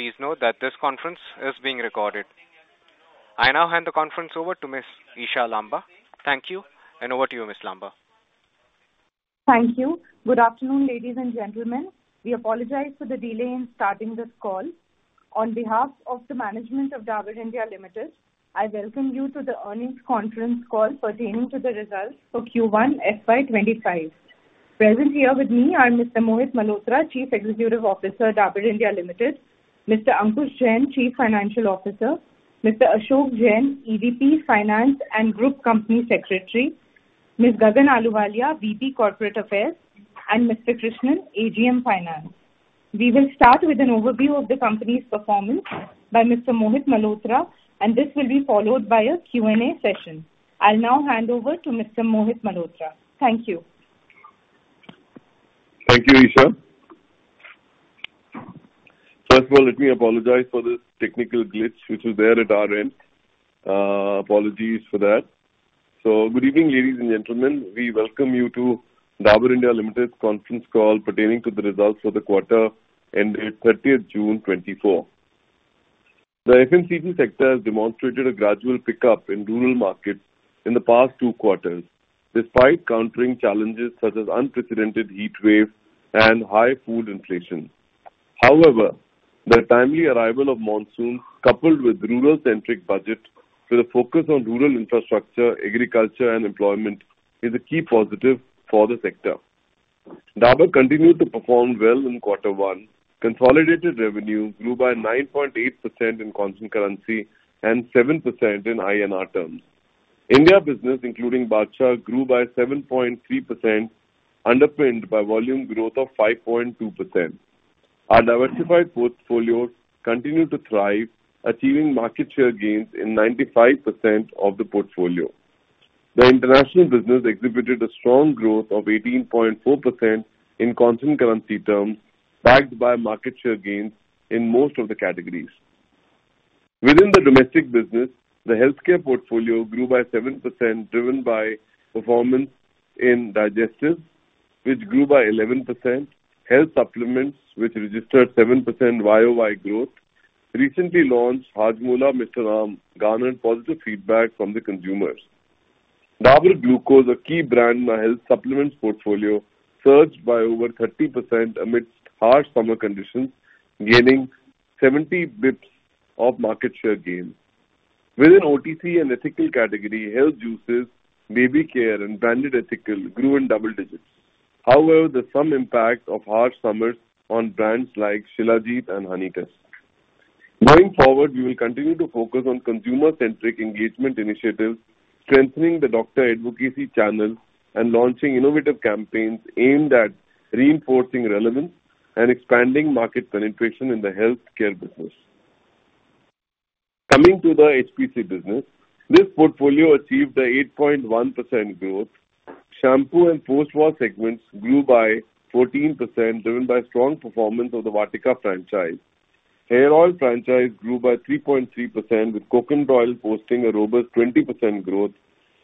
Please note that this conference is being recorded. I now hand the conference over to Ms. Isha Lamba. Thank you, and over to you, Ms. Lamba. Thank you. Good afternoon, ladies and gentlemen. We apologize for the delay in starting this call. On behalf of the management of Dabur India Limited, I welcome you to the earnings conference call pertaining to the results for Q1 FY25. Present here with me are Mr. Mohit Malhotra, Chief Executive Officer, Dabur India Limited; Mr. Ankush Jain, Chief Financial Officer; Mr. Ashok Jain, EVP Finance and Group Company Secretary; Ms. Gagan Ahluwalia, VP Corporate Affairs; and Mr. Krishnan, AGM Finance. We will start with an overview of the company's performance by Mr. Mohit Malhotra, and this will be followed by a Q&A session. I'll now hand over to Mr. Mohit Malhotra. Thank you. Thank you, Isha. First of all, let me apologize for the technical glitch which was there at our end. Apologies for that. Good evening, ladies and gentlemen. We welcome you to Dabur India Limited's conference call pertaining to the results for the quarter ended 30th June 2024. The FMCG sector has demonstrated a gradual pickup in rural markets in the past two quarters, despite countering challenges such as unprecedented heat waves and high food inflation. However, the timely arrival of monsoons, coupled with rural-centric budgets with a focus on rural infrastructure, agriculture, and employment, is a key positive for the sector. Dabur continued to perform well in quarter one. Consolidated revenue grew by 9.8% in consumer currency and 7% in INR terms. India business, including Badshah Masala, grew by 7.3%, underpinned by volume growth of 5.2%. Our diversified portfolios continued to thrive, achieving market share gains in 95% of the portfolio. The international business exhibited a strong growth of 18.4% in consumer currency terms, backed by market share gains in most of the categories. Within the domestic business, the healthcare portfolio grew by 7%, driven by performance in digestives, which grew by 11%, health supplements, which registered 7% YOY growth, recently launched Hajmola Masala, garnered positive feedback from the consumers. Dabur Glucose, a key brand in our health supplements portfolio, surged by over 30% amidst harsh summer conditions, gaining 70 basis points of market share gains. Within OTC and ethical categories, health juices, baby care, and branded ethical grew in double digits. However, the summer impact of harsh summers on brands like Shilajit and Honitus. Going forward, we will continue to focus on consumer-centric engagement initiatives, strengthening the doctor advocacy channel, and launching innovative campaigns aimed at reinforcing relevance and expanding market penetration in the healthcare business. Coming to the HPC business, this portfolio achieved an 8.1% growth. Shampoo and post-wash segments grew by 14%, driven by strong performance of the Vatika franchise. Hair oil franchise grew by 3.3%, with Coconut Oil posting a robust 20% growth.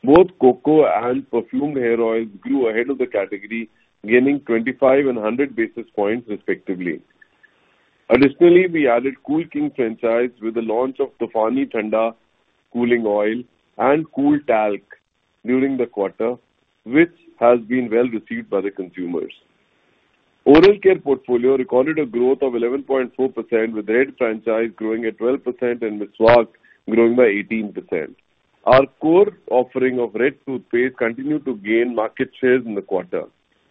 Both coco and perfumed hair oils grew ahead of the category, gaining 25 and 100 basis points, respectively. Additionally, we added Cool King franchise with the launch of Tufani Thanda Cooling Oil and Cool Talc during the quarter, which has been well received by the consumers. Oral care portfolio recorded a growth of 11.4%, with Red franchise growing at 12% and Meswak growing by 18%. Our core offering of Red toothpaste continued to gain market shares in the quarter,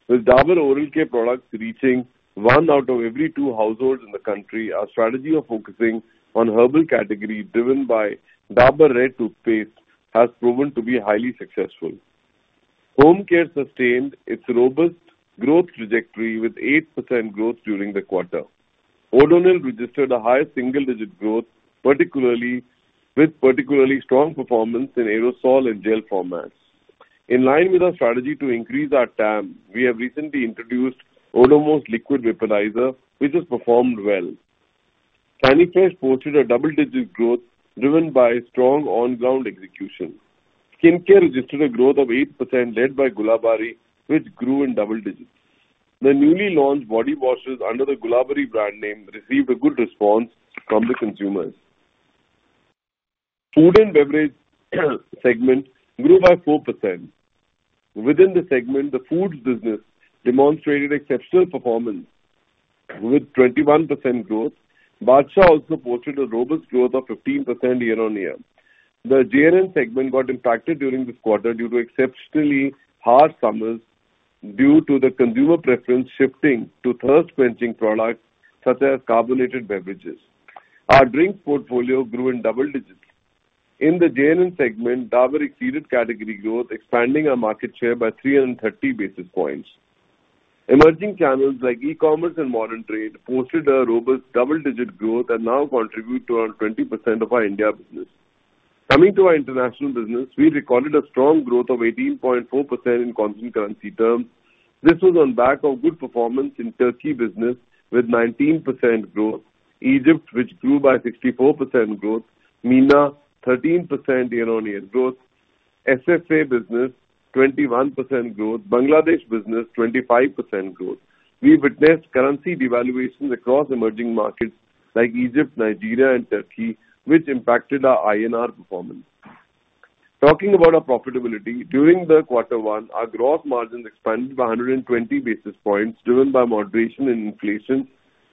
with Dabur oral care products reaching one out of every two households in the country. Our strategy of focusing on herbal categories, driven by Dabur Red toothpaste, has proven to be highly successful. Home care sustained its robust growth trajectory with 8% growth during the quarter. Odonil registered a high single-digit growth, particularly strong performance in aerosol and gel formats. In line with our strategy to increase our TAM, we have recently introduced Odomos liquid vaporizer, which has performed well. Sanifresh posted a double-digit growth, driven by strong on-ground execution. Skincare registered a growth of 8%, led by Gulabari, which grew in double digits. The newly launched body washes under the Gulabari brand name received a good response from the consumers. Food and beverage segment grew by 4%. Within the segment, the foods business demonstrated exceptional performance with 21% growth. Badshah Masala also posted a robust growth of 15% year-over-year. The J&N segment got impacted during this quarter due to exceptionally harsh summers, due to the consumer preference shifting to thirst-quenching products such as carbonated beverages. Our drinks portfolio grew in double digits. In the J&N segment, Dabur exceeded category growth, expanding our market share by 330 basis points. Emerging channels like e-commerce and modern trade posted a robust double-digit growth and now contribute to around 20% of our India business. Coming to our international business, we recorded a strong growth of 18.4% in consumer currency terms. This was on the back of good performance in Turkey business with 19% growth, Egypt, which grew by 64% growth, MENA 13% year-over-year growth, SSA business 21% growth, Bangladesh business 25% growth. We witnessed currency devaluations across emerging markets like Egypt, Nigeria, and Turkey, which impacted our INR performance. Talking about our profitability, during the quarter one, our gross margins expanded by 120 basis points, driven by moderation in inflation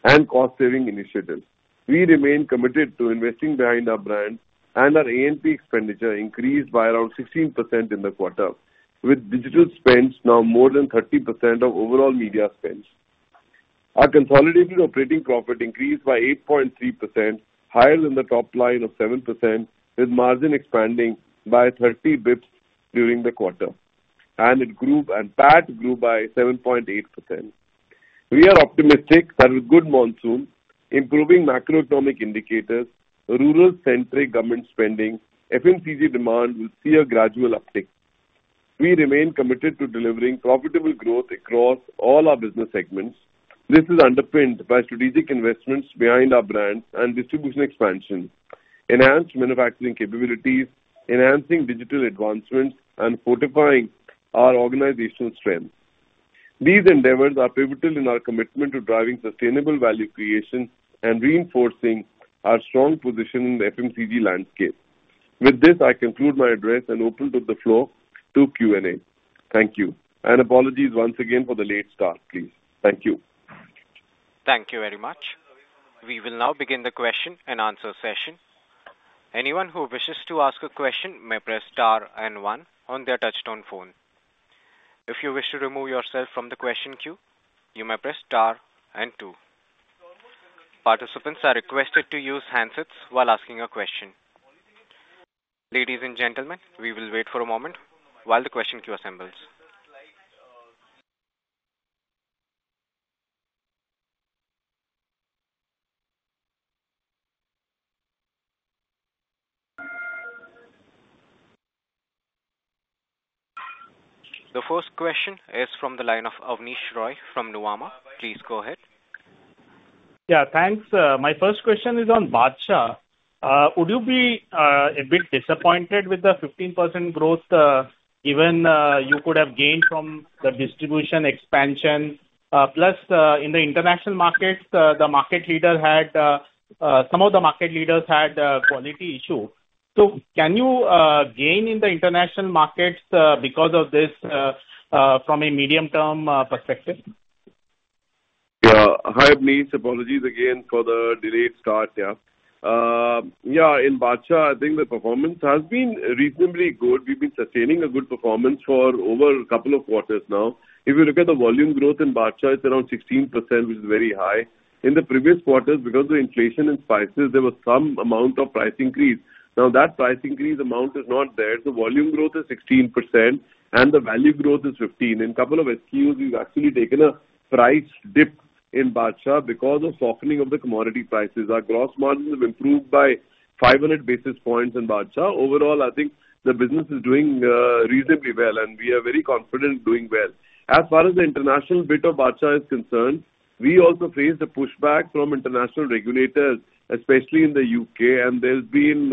and cost-saving initiatives. We remained committed to investing behind our brand, and our A&P expenditure increased by around 16% in the quarter, with digital spends now more than 30% of overall media spends. Our consolidated operating profit increased by 8.3%, higher than the top line of 7%, with margin expanding by 30 basis points during the quarter, and PAT grew by 7.8%. We are optimistic that with good monsoons, improving macroeconomic indicators, rural-centric government spending, and FMCG demand will see a gradual uptick. We remain committed to delivering profitable growth across all our business segments. This is underpinned by strategic investments behind our brand and distribution expansion, enhanced manufacturing capabilities, enhancing digital advancements, and fortifying our organizational strength. These endeavors are pivotal in our commitment to driving sustainable value creation and reinforcing our strong position in the FMCG landscape. With this, I conclude my address and open the floor to Q&A. Thank you. Apologies once again for the late start, please. Thank you. Thank you very much. We will now begin the question and answer session. Anyone who wishes to ask a question may press star and one on their touch-tone phone. If you wish to remove yourself from the question queue, you may press star and two. Participants are requested to use handsets while asking a question. Ladies and gentlemen, we will wait for a moment while the question queue assembles. The first question is from the line of Abneesh Roy from Nuvama. Please go ahead. Yeah, thanks. My first question is on Badshah Masala. Would you be a bit disappointed with the 15% growth, given you could have gained from the distribution expansion? Plus, in the international markets, the market leader had some of the market leaders had quality issues. So can you gain in the international markets because of this from a medium-term perspective? Yeah, hi Abneesh. Apologies again for the delayed start here. Yeah, in Badshah, I think the performance has been reasonably good. We've been sustaining a good performance for over a couple of quarters now. If you look at the volume growth in Badshah, it's around 16%, which is very high. In the previous quarters, because of inflation and spices, there was some amount of price increase. Now, that price increase amount is not there. The volume growth is 16%, and the value growth is 15%. In a couple of SKUs, we've actually taken a price dip in Badshah because of softening of the commodity prices. Our gross margins have improved by 500 basis points in Badshah. Overall, I think the business is doing reasonably well, and we are very confident in doing well. As far as the international bit of Badshah Masala is concerned, we also faced a pushback from international regulators, especially in the U.K., and there's been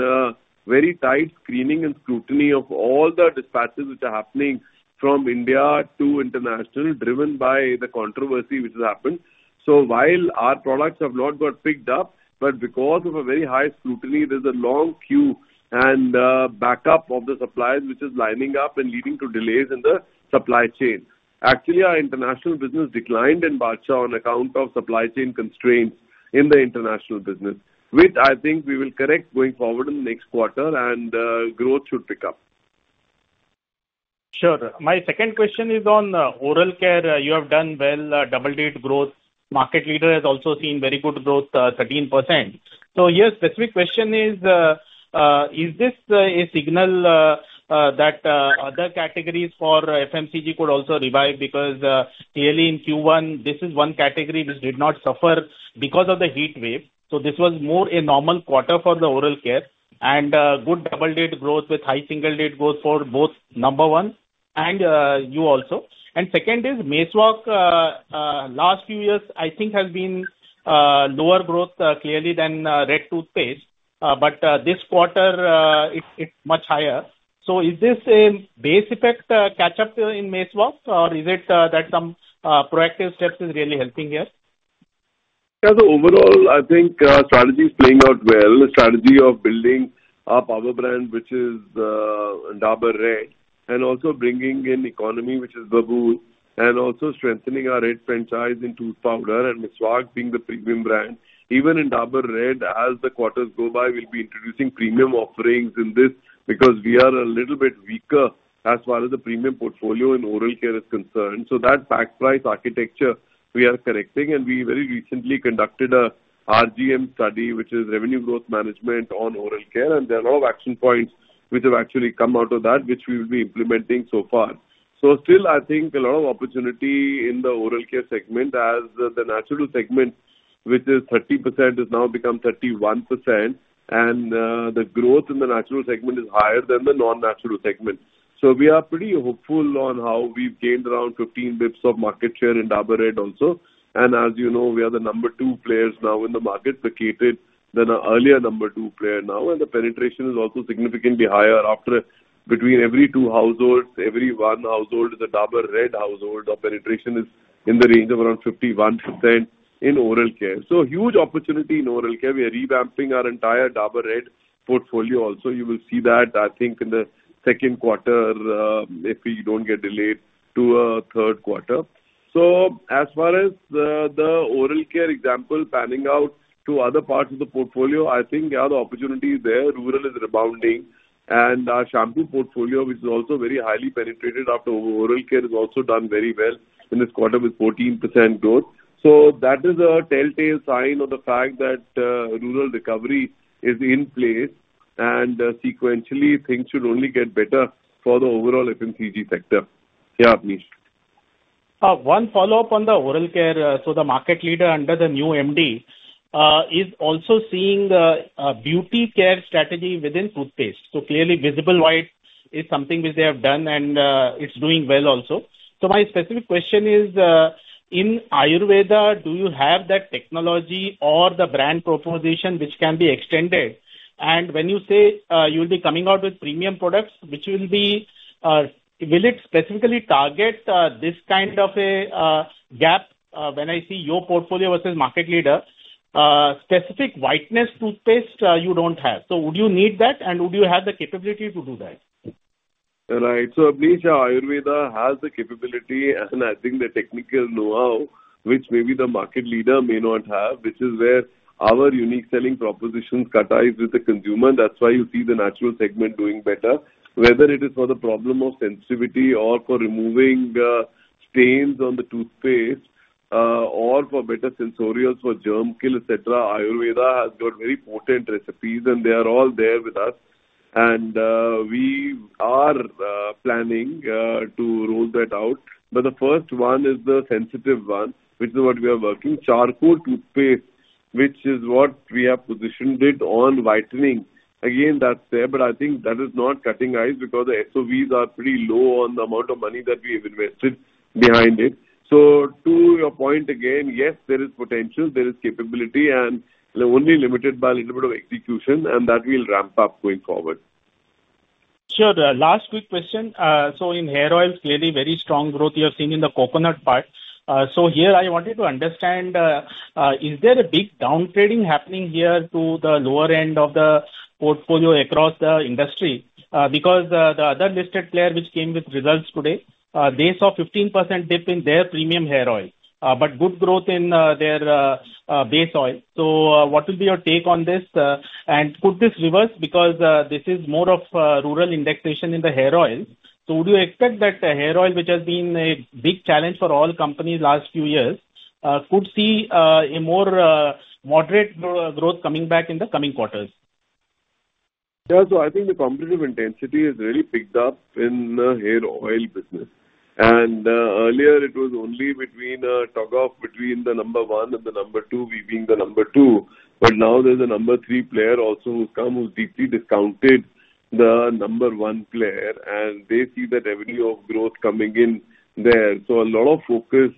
very tight screening and scrutiny of all the dispatches which are happening from India to international, driven by the controversy which has happened. So while our products have not got picked up, but because of a very high scrutiny, there's a long queue and backup of the suppliers which is lining up and leading to delays in the supply chain. Actually, our international business declined in Badshah Masala on account of supply chain constraints in the international business, which I think we will correct going forward in the next quarter, and growth should pick up. Sure. My second question is on oral care. You have done well, double-digit growth. Market leader has also seen very good growth, 13%. So your specific question is, is this a signal that other categories for FMCG could also revive? Because clearly in Q1, this is one category which did not suffer because of the heat wave. So this was more a normal quarter for the oral care, and good double-digit growth with high single-digit growth for both number one and you also. And second is Meswak, last few years, I think has been lower growth clearly than Red toothpaste, but this quarter, it's much higher. So is this a base effect catch-up in Meswak, or is it that some proactive steps are really helping here? Yeah, so overall, I think strategy is playing out well. The strategy of building our power brand, which is Dabur Red, and also bringing in economy, which is Babool, and also strengthening our Red franchise in tooth powder and Meswak being the premium brand. Even in Dabur Red, as the quarters go by, we'll be introducing premium offerings in this because we are a little bit weaker as far as the premium portfolio in oral care is concerned. So that back price architecture, we are correcting, and we very recently conducted an RGM study, which is revenue growth management on oral care, and there are a lot of action points which have actually come out of that, which we will be implementing so far. So still, I think a lot of opportunity in the oral care segment, as the natural segment, which is 30%, has now become 31%, and the growth in the natural segment is higher than the non-natural segment. So we are pretty hopeful on how we've gained around 15 bps of market share in Dabur Red also. And as you know, we are the number two player now in the market, ahead of our earlier number two player now, and the penetration is also significantly higher. In fact, between every two households, every one household is a Dabur Red household, the penetration is in the range of around 51% in oral care. So huge opportunity in oral care. We are revamping our entire Dabur Red portfolio also. You will see that, I think, in the second quarter, if we don't get delayed, to a third quarter. So as far as the oral care example panning out to other parts of the portfolio, I think there are opportunities there. Rural is rebounding, and our shampoo portfolio, which is also very highly penetrated after oral care, has also done very well in this quarter with 14% growth. So that is a telltale sign of the fact that rural recovery is in place, and sequentially, things should only get better for the overall FMCG sector. Yeah, Abneesh. One follow-up on the oral care. So the market leader under the new MD is also seeing a beauty care strategy within toothpaste. So clearly, Visible White is something which they have done, and it's doing well also. So my specific question is, in Ayurveda, do you have that technology or the brand proposition which can be extended? And when you say you'll be coming out with premium products, which will be, will it specifically target this kind of a gap? When I see your portfolio versus market leader, specific whiteness toothpaste, you don't have. So would you need that, and would you have the capability to do that? Right. So Abneesh, Ayurveda has the capability, and I think the technical know-how, which maybe the market leader may not have, which is where our unique selling propositions catches eyes with the consumer. That's why you see the natural segment doing better. Whether it is for the problem of sensitivity or for removing stains on the toothpaste or for better sensorials for germ kill, etc., Ayurveda has got very potent recipes, and they are all there with us. And we are planning to roll that out. But the first one is the sensitive one, which is what we are working, Charcoal Toothpaste, which is what we have positioned it on whitening. Again, that's there, but I think that is not catching eyes because the SOVs are pretty low on the amount of money that we have invested behind it. To your point again, yes, there is potential, there is capability, and only limited by a little bit of execution, and that will ramp up going forward. Sure. Last quick question. So in hair oils, clearly very strong growth you have seen in the coconut part. So here, I wanted to understand, is there a big downtrending happening here to the lower end of the portfolio across the industry? Because the other listed player which came with results today, they saw a 15% dip in their premium hair oil, but good growth in their base oil. So what will be your take on this? And could this reverse? Because this is more of rural indexation in the hair oil. So would you expect that hair oil, which has been a big challenge for all companies last few years, could see a more moderate growth coming back in the coming quarters? Yeah, so I think the competitive intensity has really picked up in the hair oil business. And earlier, it was only a tug-of-war between the number one and the number two, we being the number two. But now there's a number three player also who's come, who's deeply discounting the number one player, and they're seeing the revenue growth coming in there. So a lot of focus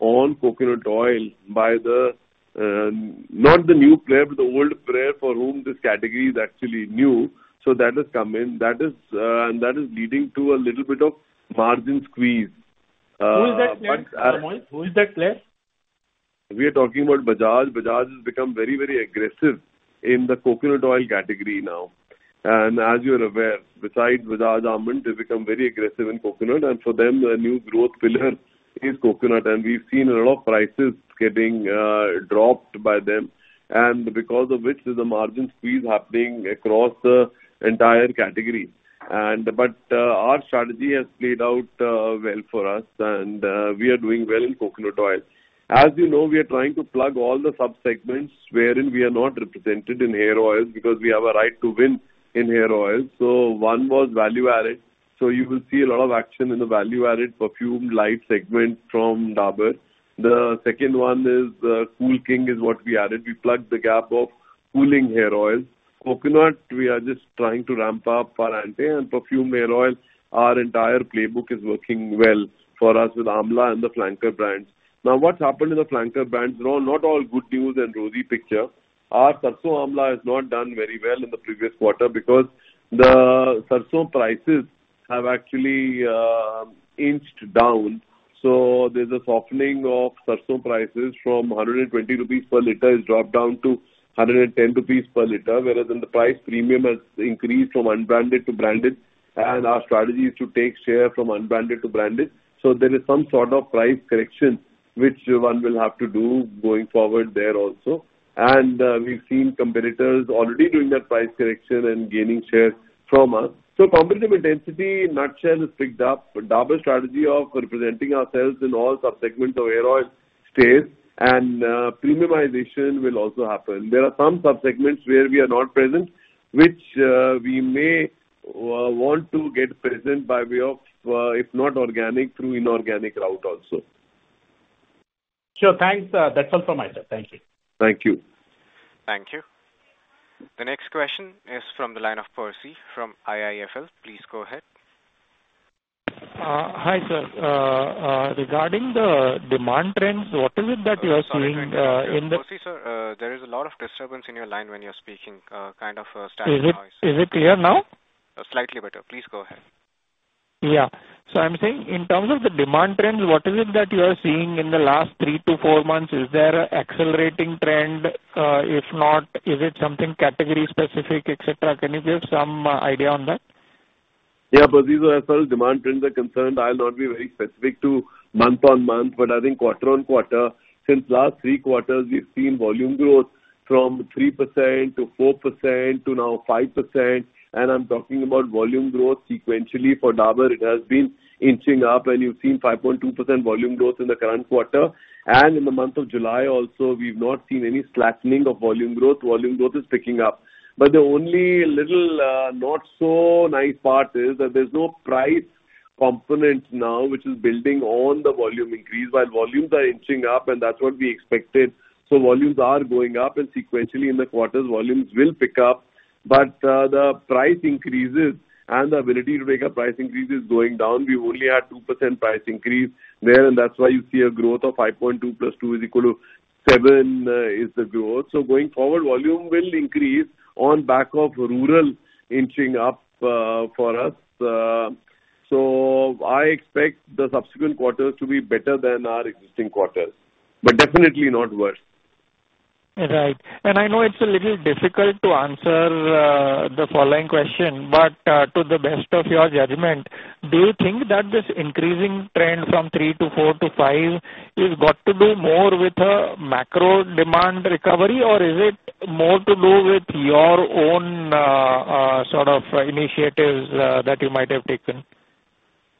on coconut oil by not the new player, but the old player for whom this category is actually new. So that has come in, and that is leading to a little bit of margin squeeze. Who is that player, Who is that player? We are talking about Bajaj. Bajaj has become very, very aggressive in the coconut oil category now. As you're aware, besides Bajaj, Emami has become very aggressive in coconut, and for them, the new growth pillar is coconut. And we've seen a lot of prices getting dropped by them, and because of which there's a margin squeeze happening across the entire category. But our strategy has played out well for us, and we are doing well in coconut oil. As you know, we are trying to plug all the subsegments wherein we are not represented in hair oils because we have a right to win in hair oils. So one was value added. So you will see a lot of action in the value added perfumed light segment from Dabur. The second one is Cool King is what we added. We plugged the gap of cooling hair oils. Coconut, we are just trying to ramp up our anti and perfumed hair oil. Our entire playbook is working well for us with Amla and the flanker brands. Now, what's happened in the flanker brands? Not all good news and rosy picture. Our Sarson Amla has not done very well in the previous quarter because the Sarson prices have actually inched down. So there's a softening of Sarson prices from 120 rupees per liter has dropped down to 110 rupees per liter, whereas in the price premium has increased from unbranded to branded. And our strategy is to take share from unbranded to branded. So there is some sort of price correction, which one will have to do going forward there also. And we've seen competitors already doing that price correction and gaining share from us. So competitive intensity in nutshell has picked up. Dabur strategy of representing ourselves in all subsegments of hair oil stays, and premiumization will also happen. There are some subsegments where we are not present, which we may want to get present by way of, if not organic, through inorganic route also. Sure. Thanks. That's all from my side. Thank you. Thank you. Thank you. The next question is from the line of Percy from IIFL. Please go ahead. Hi sir. Regarding the demand trends, what is it that you are seeing in the? Percy, sir, there is a lot of disturbance in your line when you're speaking. Kind of static noise. Is it clear now? Slightly better. Please go ahead. Yeah. So I'm saying in terms of the demand trends, what is it that you are seeing in the last 3-4 months? Is there an accelerating trend? If not, is it something category specific, etc.? Can you give some idea on that? Yeah, Percy, so as far as demand trends are concerned, I'll not be very specific to month-on-month, but I think quarter-on-quarter, since last three quarters, we've seen volume growth from 3% to 4% to now 5%. And I'm talking about volume growth sequentially for Dabur. It has been inching up, and you've seen 5.2% volume growth in the current quarter. And in the month of July also, we've not seen any flattening of volume growth. Volume growth is picking up. But the only little not-so-nice part is that there's no price component now, which is building on the volume increase, while volumes are inching up, and that's what we expected. So volumes are going up, and sequentially in the quarters, volumes will pick up. But the price increases and the ability to make a price increase is going down. We've only had 2% price increase there, and that's why you see a growth of 5.2 plus 2 is equal to 7 is the growth. So going forward, volume will increase on back of rural inching up for us. So I expect the subsequent quarters to be better than our existing quarters, but definitely not worse. Right. I know it's a little difficult to answer the following question, but to the best of your judgment, do you think that this increasing trend from 3 to 4 to 5 has got to do more with a macro demand recovery, or is it more to do with your own sort of initiatives that you might have taken?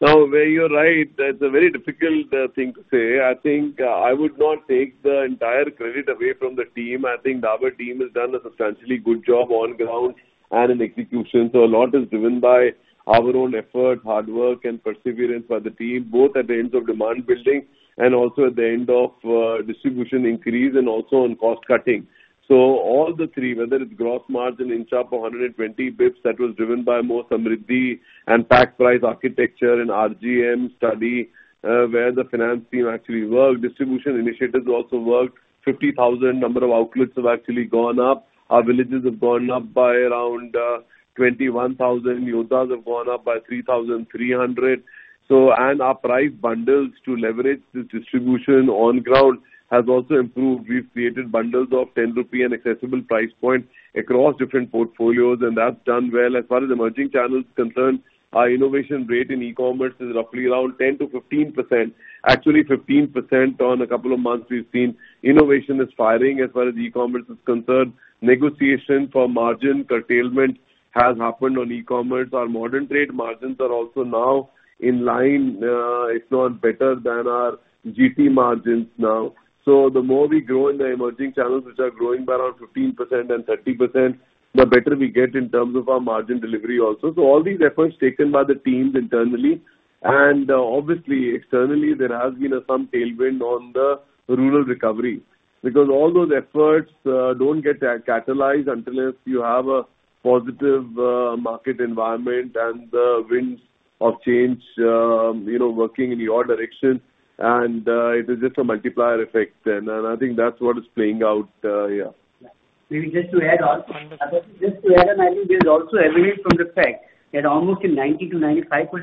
No, you're right. It's a very difficult thing to say. I think I would not take the entire credit away from the team. I think Dabur team has done a substantially good job on ground and in execution. So a lot is driven by our own effort, hard work, and perseverance by the team, both at the ends of demand building and also at the end of distribution increase and also on cost cutting. So all the three, whether it's gross margin inch up of 120 basis points, that was driven by more Samriddhi and A&P price architecture and RGM study where the finance team actually worked. Distribution initiatives also worked. 50,000 number of outlets have actually gone up. Our villages have gone up by around 21,000. Yoddhas have gone up by 3,300. And our price bundles to leverage the distribution on ground has also improved. We've created bundles of 10 rupee accessible price point across different portfolios, and that's done well. As far as emerging channels concerned, our innovation rate in e-commerce is roughly around 10%-15%. Actually, 15% on a couple of months we've seen. Innovation is firing as far as e-commerce is concerned. Negotiation for margin curtailment has happened on e-commerce. Our modern trade margins are also now in line, if not better than our GT margins now. So the more we grow in the emerging channels, which are growing by around 15% and 30%, the better we get in terms of our margin delivery also. So all these efforts taken by the teams internally, and obviously externally, there has been some tailwind on the rural recovery because all those efforts don't get catalyzed until you have a positive market environment and the winds of change working in your direction. It is just a multiplier effect, and I think that's what is playing out here. Maybe just to add on, just to add on, I think there's also evidence from the fact that almost in 90%-95%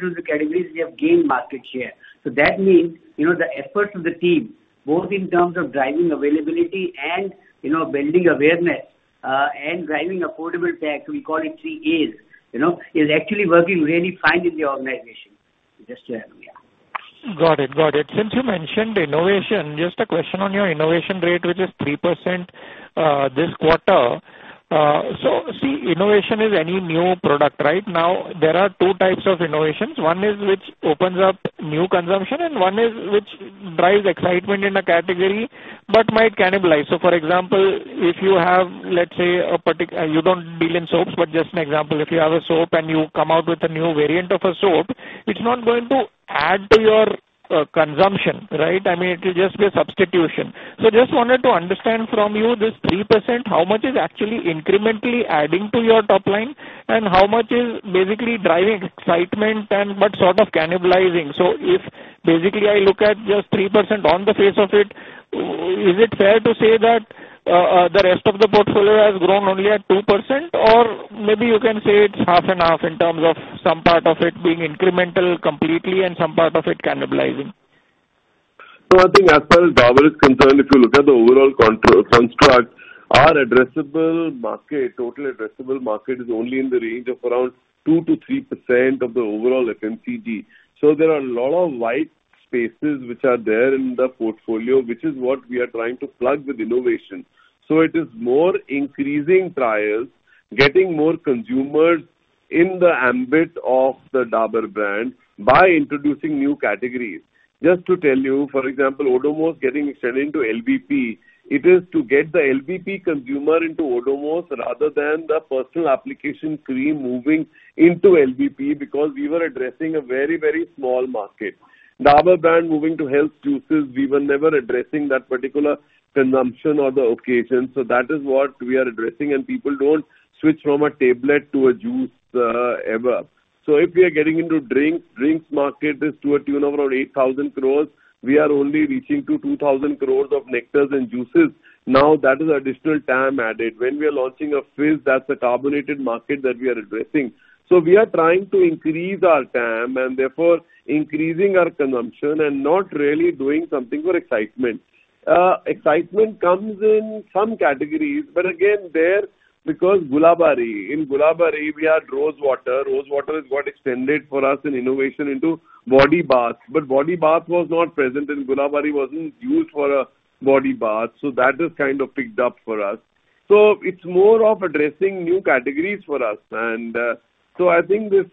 of the categories, we have gained market share. So that means the efforts of the team, both in terms of driving availability and building awareness and driving affordability, we call it 3As, is actually working really fine in the organization. Just to add, yeah. Got it. Got it. Since you mentioned innovation, just a question on your innovation rate, which is 3% this quarter. So see, innovation is any new product, right? Now, there are two types of innovations. One is which opens up new consumption, and one is which drives excitement in a category but might cannibalize. So for example, if you have, let's say, a particular you don't deal in soaps, but just an example, if you have a soap and you come out with a new variant of a soap, it's not going to add to your consumption, right? I mean, it will just be a substitution. So just wanted to understand from you, this 3%, how much is actually incrementally adding to your top line and how much is basically driving excitement but sort of cannibalizing? So if basically I look at just 3% on the face of it, is it fair to say that the rest of the portfolio has grown only at 2%, or maybe you can say it's half and half in terms of some part of it being incremental completely and some part of it cannibalizing? No, I think as far as Dabur is concerned, if you look at the overall construct, our addressable market, total addressable market is only in the range of around 2%-3% of the overall FMCG. So there are a lot of white spaces which are there in the portfolio, which is what we are trying to plug with innovation. So it is more increasing trials, getting more consumers in the ambit of the Dabur brand by introducing new categories. Just to tell you, for example, Odomos getting extended into LVP, it is to get the LVP consumer into Odomos rather than the personal application cream moving into LVP because we were addressing a very, very small market. Dabur brand moving to health juices, we were never addressing that particular consumption or the occasion. So that is what we are addressing, and people don't switch from a tablet to a juice ever. So if we are getting into drinks, drinks market is to a tune of around 8,000 crore. We are only reaching to 2,000 crore of nectars and juices. Now, that is additional TAM added when we are launching a fizz. That's a carbonated market that we are addressing. So we are trying to increase our TAM and therefore increasing our consumption and not really doing something for excitement. Excitement comes in some categories, but again, there because Gulabari, in Gulabari, we had rose water. Rose water has got extended for us in innovation into body baths, but body bath was not present in Gulabari, wasn't used for a body bath. So that has kind of picked up for us. So it's more of addressing new categories for us. And so I think this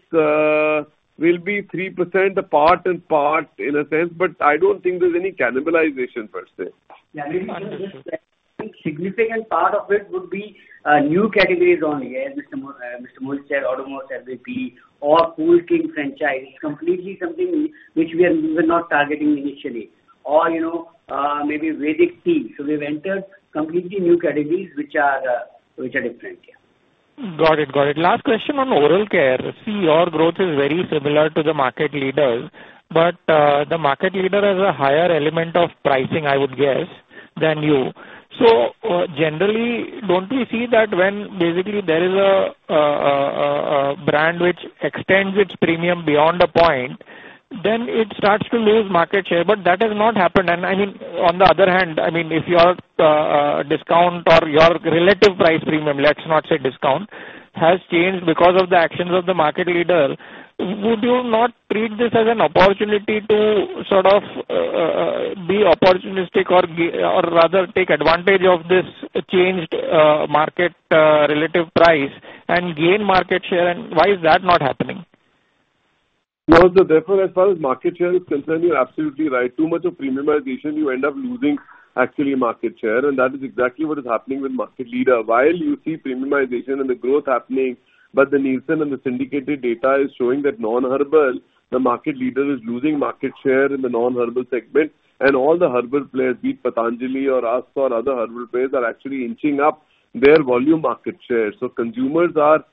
will be 3% apart and part in a sense, but I don't think there's any cannibalization per se. Yeah, maybe just a significant part of it would be new categories only, as Mr. Mohit said, Odomos, LVP, or Cool King franchise. It's completely something which we were not targeting initially. Or maybe Vedic Tea. So we've entered completely new categories which are different, yeah. Got it. Got it. Last question on oral care. See, your growth is very similar to the market leaders, but the market leader has a higher element of pricing, I would guess, than you. So generally, don't we see that when basically there is a brand which extends its premium beyond a point, then it starts to lose market share, but that has not happened. And I mean, on the other hand, I mean, if your discount or your relative price premium, let's not say discount, has changed because of the actions of the market leader, would you not treat this as an opportunity to sort of be opportunistic or rather take advantage of this changed market relative price and gain market share? And why is that not happening? No, the difference as far as market share is concerned, you're absolutely right. Too much of premiumization, you end up losing actually market share. That is exactly what is happening with market leader. While you see premiumization and the growth happening, but the Nielsen and the syndicated data is showing that non-herbal, the market leader is losing market share in the non-herbal segment. All the herbal players, be it Patanjali or Anchor or other herbal players, are actually inching up their volume market share. So consumers are,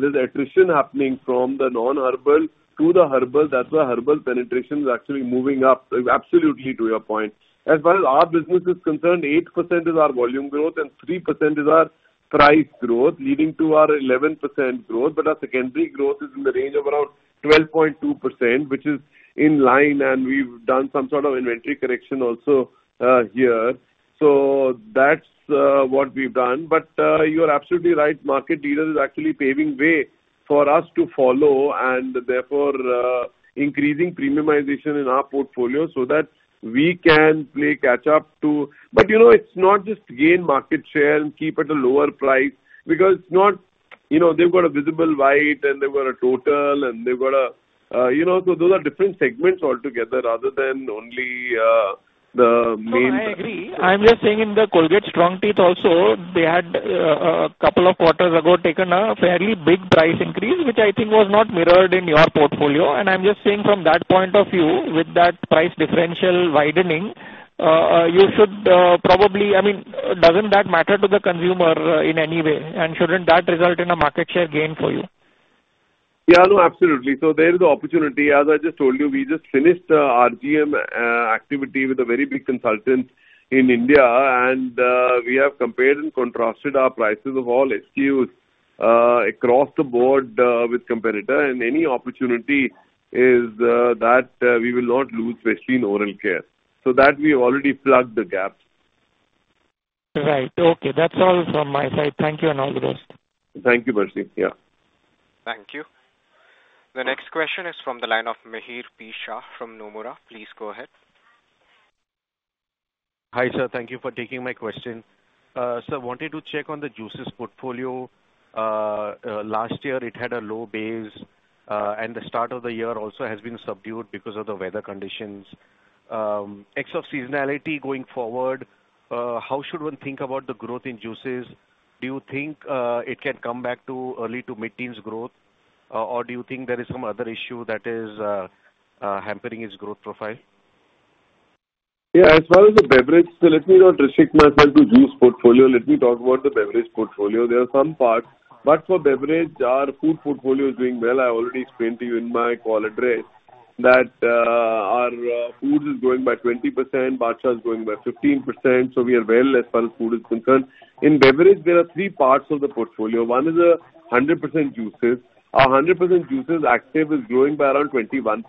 there's attrition happening from the non-herbal to the herbal. That's why herbal penetration is actually moving up, absolutely to your point. As far as our business is concerned, 8% is our volume growth, and 3% is our price growth, leading to our 11% growth. But our secondary growth is in the range of around 12.2%, which is in line, and we've done some sort of inventory correction also here. So that's what we've done. But you're absolutely right. Market leader is actually paving way for us to follow and therefore increasing premiumization in our portfolio so that we can play catch-up to. But it's not just gain market share and keep at a lower price because it's not, they've got a Visible White and they've got a Total and they've got a, so those are different segments altogether rather than only the main. I agree. I'm just saying in the Colgate Strong Teeth also, they had a couple of quarters ago taken a fairly big price increase, which I think was not mirrored in your portfolio. And I'm just saying from that point of view, with that price differential widening, you should probably, I mean, doesn't that matter to the consumer in any way? And shouldn't that result in a market share gain for you? Yeah, no, absolutely. So there is an opportunity. As I just told you, we just finished RGM activity with a very big consultant in India, and we have compared and contrasted our prices of all SKUs across the board with competitor. And any opportunity is that we will not lose, especially in oral care. So that we have already plugged the gaps. Right. Okay. That's all from my side. Thank you and all the best. Thank you, Percy. Yeah. Thank you. The next question is from the line of Mihir P. Shah from Nomura. Please go ahead. Hi, sir, thank you for taking my question. Sir, wanted to check on the juices portfolio. Last year, it had a low base, and the start of the year also has been subdued because of the weather conditions. In spite of seasonality going forward, how should one think about the growth in juices? Do you think it can come back to early to mid-teens growth, or do you think there is some other issue that is hampering its growth profile? Yeah, as far as the beverage, so let me not restrict myself to juice portfolio. Let me talk about the beverage portfolio. There are some parts, but for beverage, our food portfolio is doing well. I already explained to you in my call address that our food is growing by 20%, Badshah is growing by 15%. So we are well as far as food is concerned. In beverage, there are three parts of the portfolio. One is 100% juices. Our 100% juices active is growing by around 21%.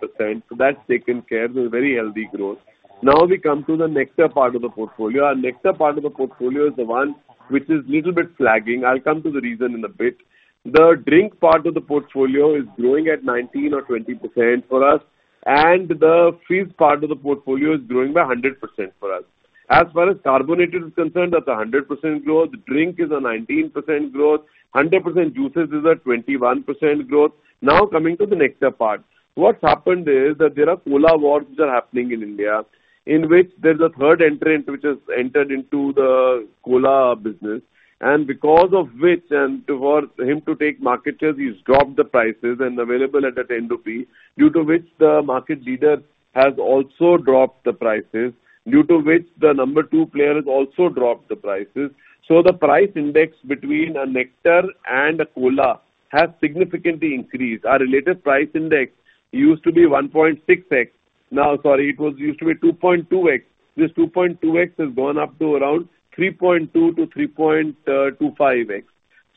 So that's taken care of. There's very healthy growth. Now we come to the nectar part of the portfolio. Our nectar part of the portfolio is the one which is a little bit flagging. I'll come to the reason in a bit. The drink part of the portfolio is growing at 19 or 20% for us, and the fizz part of the portfolio is growing by 100% for us. As far as carbonated is concerned, that's a 100% growth. Drink is a 19% growth. 100% juices is a 21% growth. Now coming to the nectar part, what's happened is that there are cola wars which are happening in India, in which there's a third entrant which has entered into the cola business. And because of which, and for him to take market share, he's dropped the prices and available at 10 rupee, due to which the market leader has also dropped the prices, due to which the number two player has also dropped the prices. So the price index between a nectar and a cola has significantly increased. Our related price index used to be 1.6x. Now, sorry, it was used to be 2.2x. This 2.2x has gone up to around 3.2-3.25x.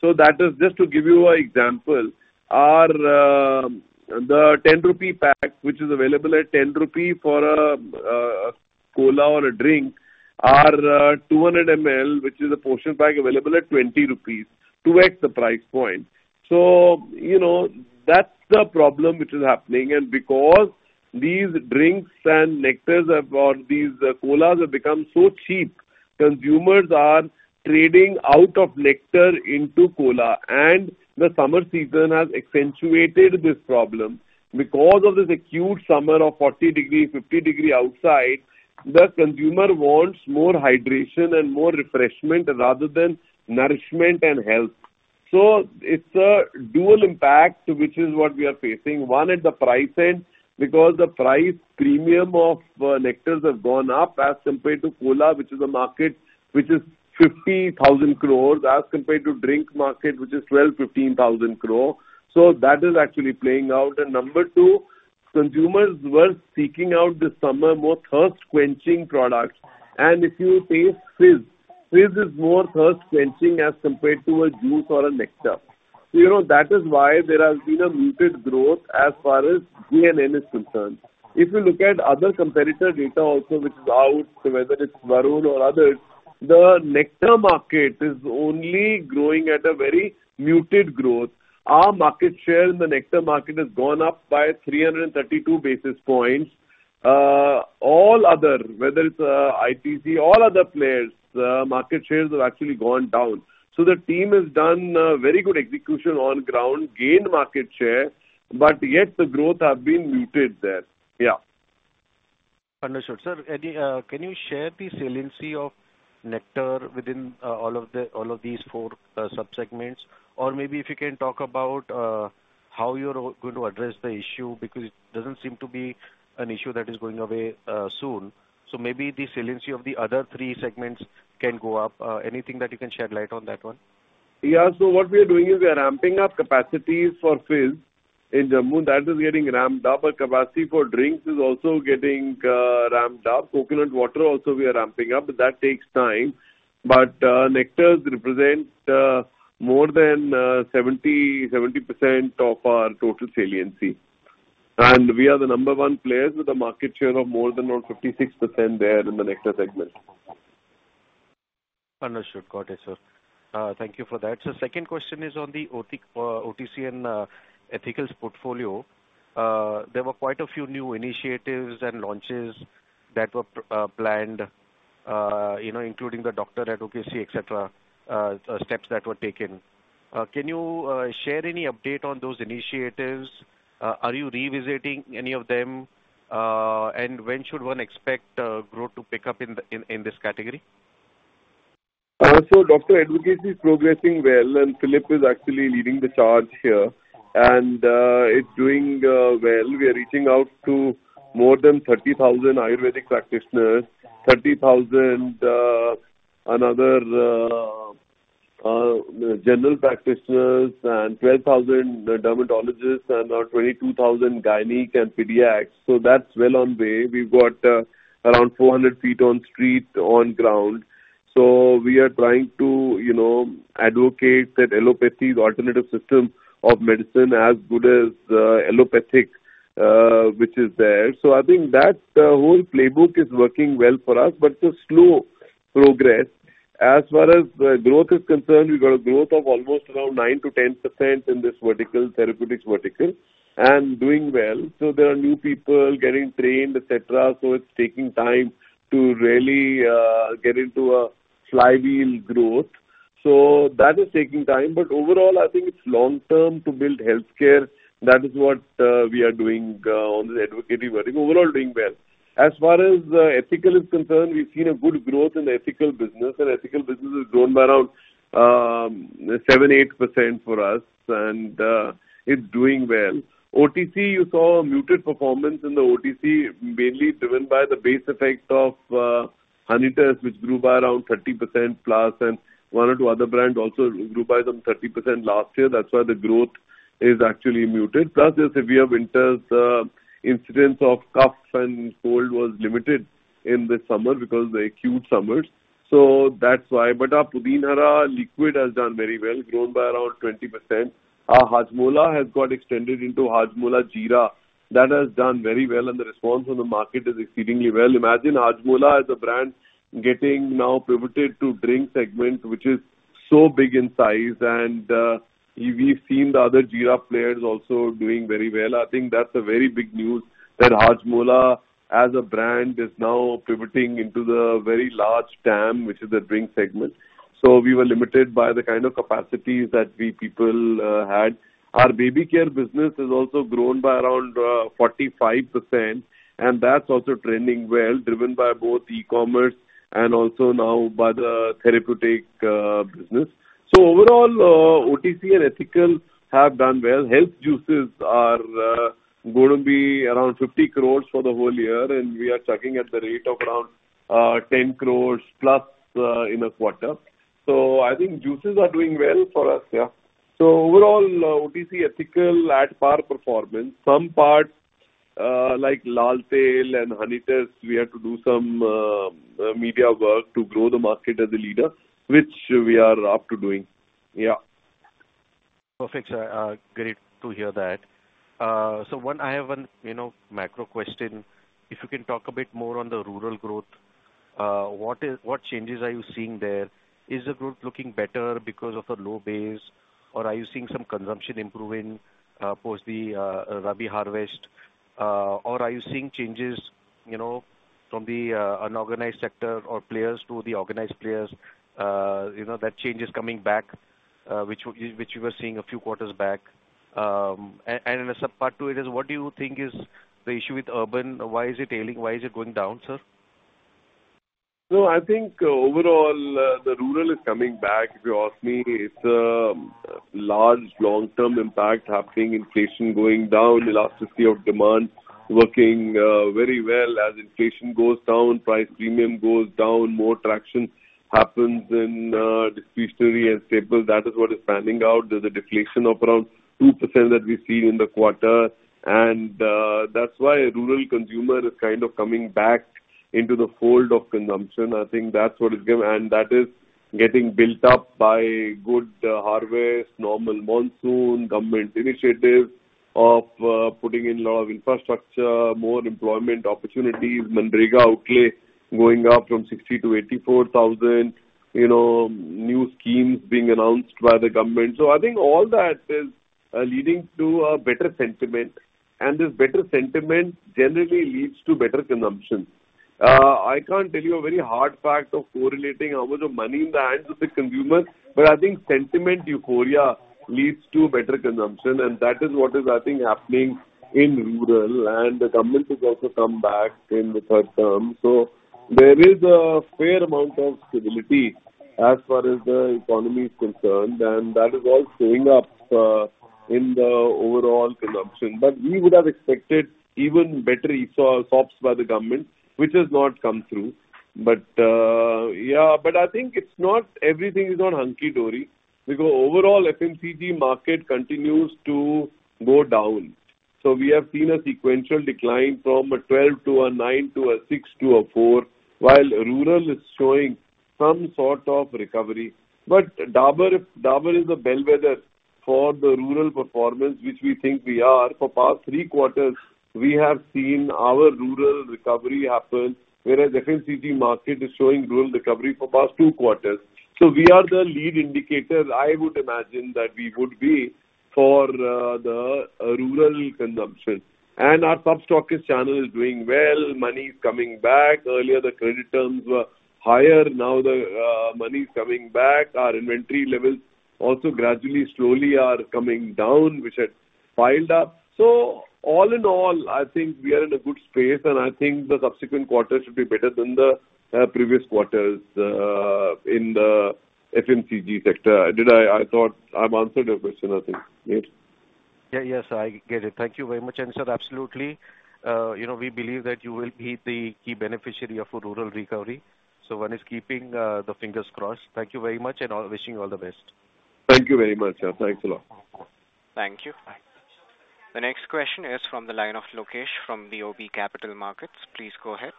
So that is just to give you an example. The 10 rupee pack, which is available at 10 rupee for a cola or a drink, our 200 ml, which is a portion pack, available at 20 rupees, 2x the price point. So that's the problem which is happening. And because these drinks and nectars or these colas have become so cheap, consumers are trading out of nectar into cola. And the summer season has accentuated this problem. Because of this acute summer of 40 degrees, 50 degrees outside, the consumer wants more hydration and more refreshment rather than nourishment and health. So it's a dual impact, which is what we are facing. One at the price end because the price premium of nectars has gone up as compared to cola, which is a market which is 50,000 crore, as compared to drink market, which is 12,000- 15,000 crore. So that is actually playing out. And number two, consumers were seeking out this summer more thirst-quenching products. And if you taste fizz, fizz is more thirst-quenching as compared to a juice or a nectar. So that is why there has been a muted growth as far as G&N is concerned. If you look at other competitor data also, which is out, whether it's Varun or others, the nectar market is only growing at a very muted growth. Our market share in the nectar market has gone up by 332 basis points. All other, whether it's ITC, all other players, market shares have actually gone down. The team has done very good execution on ground, gained market share, but yet the growth has been muted there. Yeah. Understood. Sir, can you share the saliency of nectar within all of these four subsegments? Or maybe if you can talk about how you're going to address the issue because it doesn't seem to be an issue that is going away soon. So maybe the saliency of the other three segments can go up. Anything that you can shed light on that one? Yeah. So what we are doing is we are ramping up capacities for Fizz in Jammu. That is getting ramped up. Our capacity for drinks is also getting ramped up. Coconut water also we are ramping up. That takes time. But nectars represent more than 70% of our total saliency. And we are the number one player with a market share of more than around 56% there in the nectar segment. Understood. Got it, sir. Thank you for that. So second question is on the OTC and ethicals portfolio. There were quite a few new initiatives and launches that were planned, including the doctor advocacy, etc., steps that were taken. Can you share any update on those initiatives? Are you revisiting any of them? And when should one expect growth to pick up in this category? Doctor advocacy is progressing well, and Philipe is actually leading the charge here. And it's doing well. We are reaching out to more than 30,000 Ayurvedic practitioners, 30,000 general practitioners, and 12,000 dermatologists, and around 22,000 gynecologists and pediatricians. So that's well on way. We've got around 400 feet on street on ground. So we are trying to advocate that Ayurveda is an alternative system of medicine as good as allopathic, which is there. So I think that the whole playbook is working well for us, but it's a slow progress. As far as growth is concerned, we've got a growth of almost around 9%-10% in this therapeutics vertical and doing well. So there are new people getting trained, etc. So it's taking time to really get into a flywheel growth. So that is taking time. But overall, I think it's long-term to build healthcare. That is what we are doing on the advocacy vertical. Overall, doing well. As far as ethical is concerned, we've seen a good growth in the ethical business. Ethical business has grown by around 7%-8% for us, and it's doing well. OTC, you saw a muted performance in the OTC, mainly driven by the base effect of Honitus, which grew by around 30%+, and one or two other brands also grew by some 30% last year. That's why the growth is actually muted. Plus, there's severe winters. The incidence of cough and cold was limited in the summer because of the acute summers. So that's why. But our Pudin Hara liquid has done very well, grown by around 20%. Our Hajmola has got extended into Hajmola Jeera. That has done very well, and the response on the market is exceedingly well. Imagine Hajmola as a brand getting now pivoted to drink segment, which is so big in size. We've seen the other Jeera players also doing very well. I think that's a very big news that Hajmola as a brand is now pivoting into the very large TAM, which is the drink segment. So we were limited by the kind of capacities that we people had. Our baby care business has also grown by around 45%, and that's also trending well, driven by both e-commerce and also now by the therapeutic business. So overall, OTC and ethical have done well. Health juices are going to be around 50 crore for the whole year, and we are chugging at the rate of around 10 crore+ in a quarter. So I think juices are doing well for us, yeah. So overall, OTC ethical at par performance. Some parts like Lal Tail and Honitus, we have to do some media work to grow the market as a leader, which we are up to doing. Yeah. Perfect. Great to hear that. So I have one macro question. If you can talk a bit more on the rural growth, what changes are you seeing there? Is the growth looking better because of the low base, or are you seeing some consumption improving post the rabi harvest? Or are you seeing changes from the unorganized sector or players to the organized players? That change is coming back, which we were seeing a few quarters back. And a subpart to it is, what do you think is the issue with urban? Why is it ailing? Why is it going down, sir? So I think overall, the rural is coming back. If you ask me, it's a large long-term impact happening, inflation going down, elasticity of demand working very well. As inflation goes down, price premium goes down, more traction happens in discretionary and staples. That is what is panning out. There's a deflation of around 2% that we've seen in the quarter. And that's why a rural consumer is kind of coming back into the fold of consumption. I think that's what is going to, and that is getting built up by good harvest, normal monsoon, government initiatives of putting in a lot of infrastructure, more employment opportunities, MGNREGA outlay going up from 60,000 to 84,000, new schemes being announced by the government. So I think all that is leading to a better sentiment. And this better sentiment generally leads to better consumption. I can't tell you a very hard fact of correlating how much of money in the hands of the consumer, but I think sentiment euphoria leads to better consumption. That is what is, I think, happening in rural. The government has also come back in the third term. So there is a fair amount of stability as far as the economy is concerned. That is all showing up in the overall consumption. But we would have expected even better steps by the government, which has not come through. But yeah, but I think it's not everything is not hunky dory. Because overall, FMCG market continues to go down. So we have seen a sequential decline from 12 to 9 to 6 to 4, while rural is showing some sort of recovery. Dabur is a bellwether for the rural performance, which we think we are. For past 3 quarters, we have seen our rural recovery happen, whereas FMCG market is showing rural recovery for past 2 quarters. So we are the lead indicator, I would imagine, that we would be for the rural consumption. And our substockist channel is doing well. Money is coming back. Earlier, the credit terms were higher. Now the money is coming back. Our inventory levels also gradually, slowly are coming down, which had piled up. So all in all, I think we are in a good space, and I think the subsequent quarters should be better than the previous quarters in the FMCG sector. I thought I've answered your question, I think. Yeah, yes, I get it. Thank you very much, Ansar. Absolutely. We believe that you will be the key beneficiary of a rural recovery. So one is keeping the fingers crossed. Thank you very much, and wishing you all the best. Thank you very much. Thanks a lot. Thank you. The next question is from the line of Lokesh from BOB Capital Markets. Please go ahead.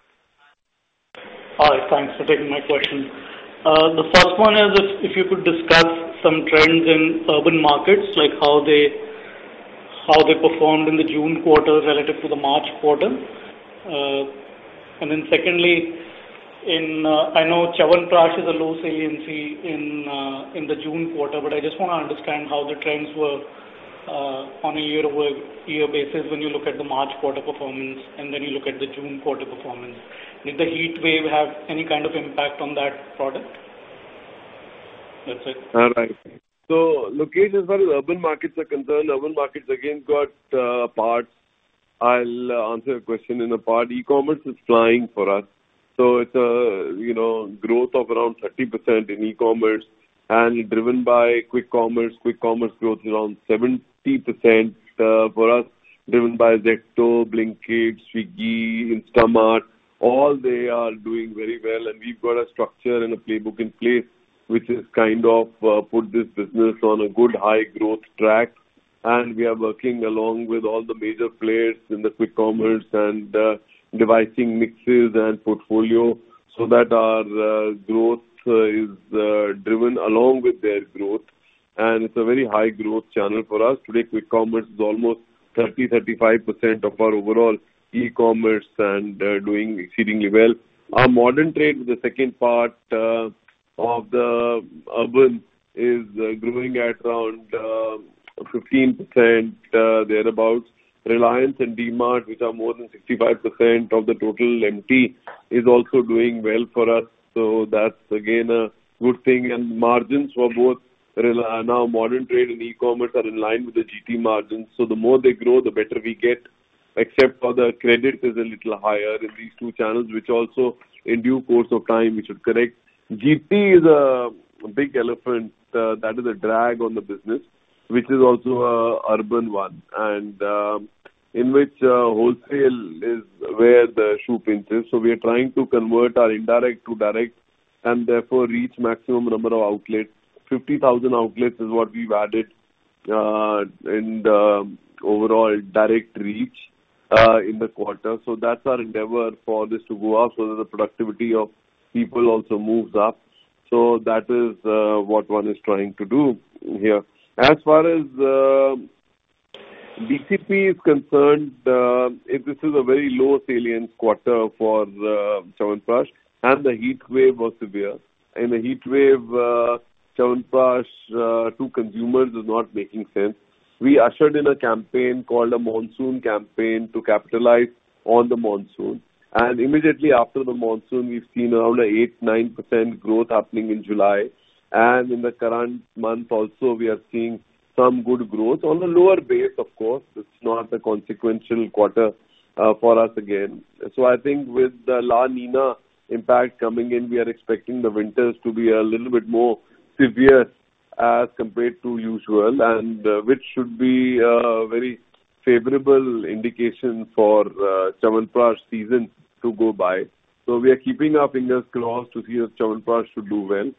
Hi. Thanks for taking my question. The first one is if you could discuss some trends in urban markets, like how they performed in the June quarter relative to the March quarter. And then secondly, I know Chyawanprash is a low saliency in the June quarter, but I just want to understand how the trends were on a year-over-year basis when you look at the March quarter performance, and then you look at the June quarter performance. Did the heat wave have any kind of impact on that product? That's it. All right. So Lokesh, as far as urban markets are concerned, urban markets again got a part. I'll answer your question in a part. E-commerce is flying for us. So it's a growth of around 30% in e-commerce, and driven by Quick Commerce. Quick Commerce growth is around 70% for us, driven by Zepto, Blinkit, Swiggy, Instamart. All they are doing very well. And we've got a structure and a playbook in place, which has kind of put this business on a good high growth track. And we are working along with all the major players in the Quick Commerce and devising mixes and portfolio so that our growth is driven along with their growth. And it's a very high growth channel for us. Today, Quick Commerce is almost 30%-35% of our overall e-commerce and doing exceedingly well. Our modern trade, the second part of the urban, is growing at around 15% thereabouts. Reliance and D-Mart, which are more than 65% of the total MT, is also doing well for us. So that's again a good thing. And margins for both now modern trade and e-commerce are in line with the GT margins. So the more they grow, the better we get, except for the credit is a little higher in these two channels, which also in due course of time, we should correct. GT is a big elephant that is a drag on the business, which is also an urban one, and in which wholesale is where the shoe pinches. So we are trying to convert our indirect to direct and therefore reach maximum number of outlets. 50,000 outlets is what we've added in the overall direct reach in the quarter. That's our endeavor for this to go up so that the productivity of people also moves up. That is what one is trying to do here. As far as BCP is concerned, this is a very low salience quarter for Chyawanprash. The heat wave was severe. In the heat wave, Chyawanprash to consumers is not making sense. We ushered in a campaign called a monsoon campaign to capitalize on the monsoon. Immediately after the monsoon, we've seen around 8%-9% growth happening in July. In the current month also, we are seeing some good growth on a lower base, of course. It's not a consequential quarter for us again. So I think with the La Niña impact coming in, we are expecting the winters to be a little bit more severe as compared to usual, which should be a very favorable indication for Chyawanprash season to go by. So we are keeping our fingers crossed to see if Chyawanprash should do well.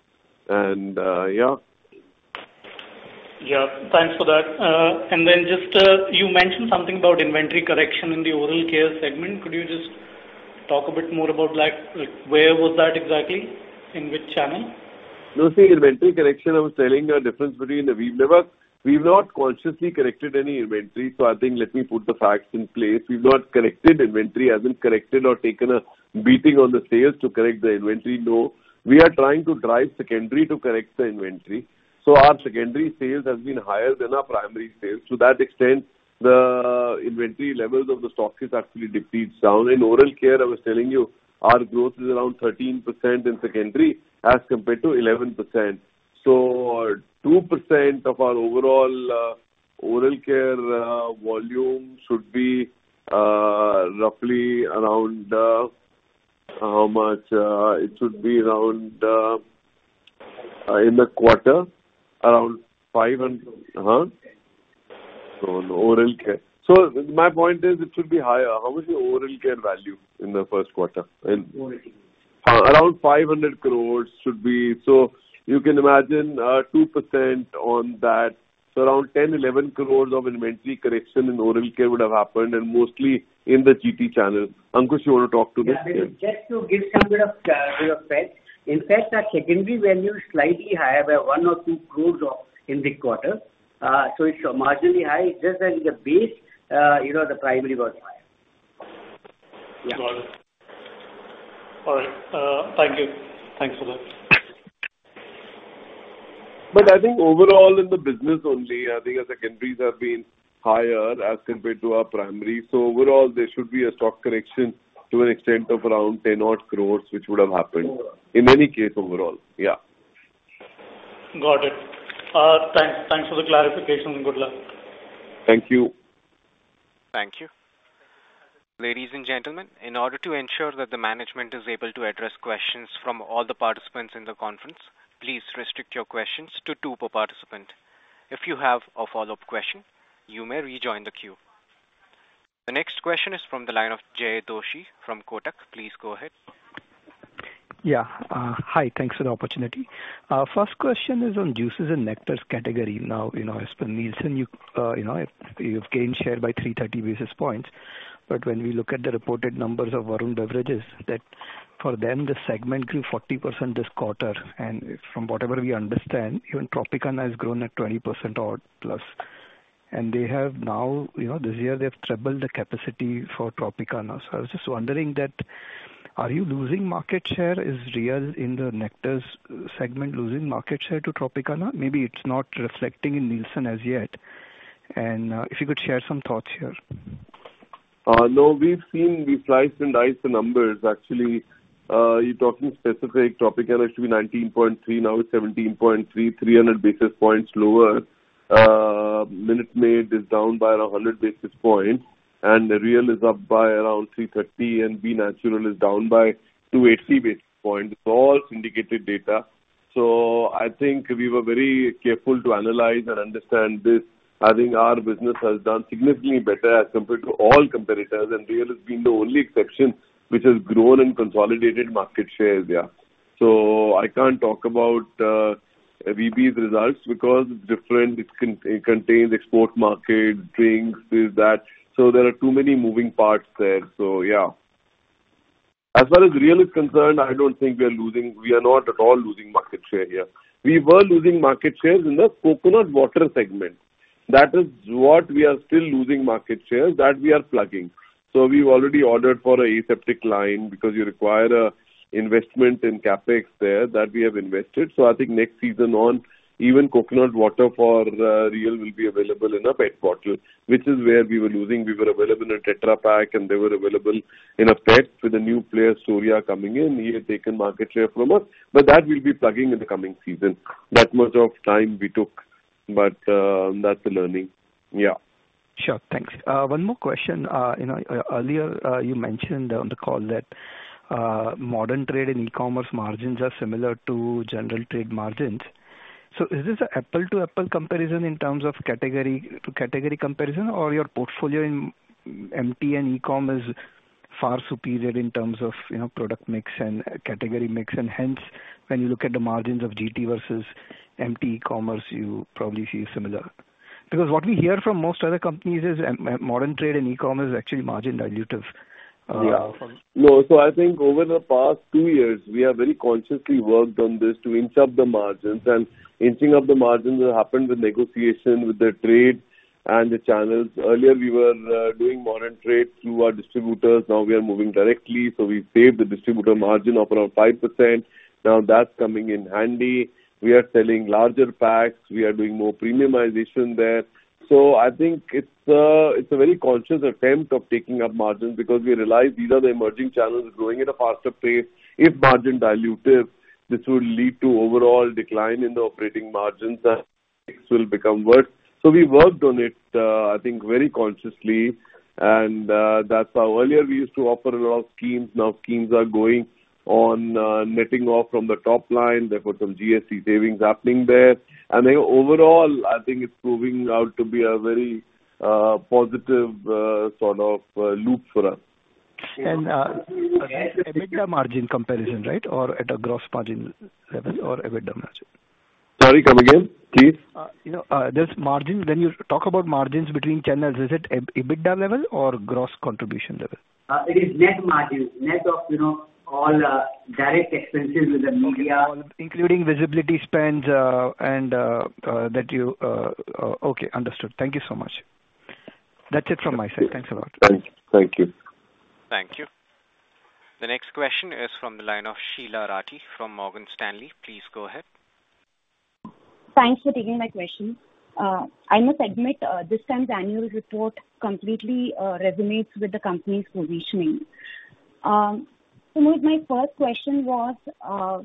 And yeah. Yeah. Thanks for that. And then just you mentioned something about inventory correction in the oral care segment. Could you just talk a bit more about where was that exactly? In which channel? No, see, inventory correction. I was telling you the difference. We've never. We've not consciously corrected any inventory. So, I think, let me put the facts in place. We've not corrected inventory. Hasn't corrected or taken a beating on the sales to correct the inventory. No. We are trying to drive secondary to correct the inventory. So, our secondary sales have been higher than our primary sales. To that extent, the inventory levels of the stocks is actually depleted down. In oral care, I was telling you our growth is around 13% in secondary as compared to 11%. So, 2% of our overall oral care volume should be roughly around how much? It should be around in the quarter, around 500. So, in oral care. So, my point is it should be higher. How much is oral care value in the first quarter? Around 500 crore should be. You can imagine 2% on that. Around 10- 11 crore of inventory correction in oral care would have happened, and mostly in the GT channel. Ankush, you want to talk to this? Just to give some bit of fact, in fact, our secondary value is slightly higher, about 1 crore-2 crore in the quarter. So it's marginally high. It's just that in the base, the primary was higher. Got it. All right. Thank you. Thanks for that. But I think overall in the business only, I think our secondaries have been higher as compared to our primary. So overall, there should be a stock correction to an extent of around 10 crore, which would have happened in any case overall. Yeah. Got it. Thanks. Thanks for the clarification and good luck. Thank you. Thank you. Ladies and gentlemen, in order to ensure that the management is able to address questions from all the participants in the conference, please restrict your questions to two per participant. If you have a follow-up question, you may rejoin the queue. The next question is from the line of Jaykumar Doshi from Kotak. Please go ahead. Yeah. Hi. Thanks for the opportunity. First question is on juices and nectars category. Now, as per Nielsen, you've gained share by 330 basis points. But when we look at the reported numbers of Varun Beverages, that for them, the segment grew 40% this quarter. And from whatever we understand, even Tropicana has grown at 20% odd plus. And they have now, this year, they have tripled the capacity for Tropicana. So I was just wondering that, are you losing market share? Is Real in the nectars segment losing market share to Tropicana? Maybe it's not reflecting in Nielsen as yet. And if you could share some thoughts here. No, we've seen we've sliced and diced the numbers, actually. You're talking specific, Tropicana should be 19.3. Now it's 17.3, 300 basis points lower. Minute Maid is down by around 100 basis points. And Real is up by around 330. And B-Natural is down by 280 basis points. It's all syndicated data. So I think we were very careful to analyze and understand this. I think our business has done significantly better as compared to all competitors. And Real has been the only exception which has grown and consolidated market shares. Yeah. So I can't talk about VB's results because it's different. It contains export market, drinks, this, that. So there are too many moving parts there. So yeah. As far as Real is concerned, I don't think we are losing. We are not at all losing market share here. We were losing market shares in the coconut water segment. That is what we are still losing market shares that we are plugging. So we've already ordered for an aseptic line because you require an investment in CapEx there that we have invested. So I think next season on, even coconut water for Real will be available in a pet bottle, which is where we were losing. We were available in a Tetra Pak, and they were available in a pet with a new player, Storia, coming in. He had taken market share from us. But that will be plugging in the coming season. That much of time we took. But that's the learning. Yeah. Sure. Thanks. One more question. Earlier, you mentioned on the call that modern trade and e-commerce margins are similar to general trade margins. So is this an apple-to-apple comparison in terms of category-to-category comparison, or your portfolio in MT and e-com is far superior in terms of product mix and category mix? And hence, when you look at the margins of GT versus MT e-commerce, you probably see similar. Because what we hear from most other companies is modern trade and e-com is actually margin dilutive. Yeah. No. So I think over the past two years, we have very consciously worked on this to inch up the margins. And inching up the margins has happened with negotiation with the trade and the channels. Earlier, we were doing modern trade through our distributors. Now we are moving directly. So we've saved the distributor margin of around 5%. Now that's coming in handy. We are selling larger packs. We are doing more premiumization there. So I think it's a very conscious attempt of taking up margins because we realize these are the emerging channels growing at a faster pace. If margin dilutive, this will lead to overall decline in the operating margins. It will become worse. So we worked on it, I think, very consciously. And that's how earlier we used to offer a lot of schemes. Now schemes are going on netting off from the top line. Therefore, some GST savings happening there. Overall, I think it's proving out to be a very positive sort of loop for us. EBITDA margin comparison, right? Or at a gross margin level or EBITDA margin? Sorry, come again, please. There's margins. When you talk about margins between channels, is it EBITDA level or gross contribution level? It is net margins, net of all direct expenses with the media. Including visibility spend and that you okay. Understood. Thank you so much. That's it from my side. Thanks a lot. Thank you. Thank you. The next question is from the line of Sheela Rathi from Morgan Stanley. Please go ahead. Thanks for taking my question. I must admit this time's annual report completely resonates with the company's positioning. So my first question was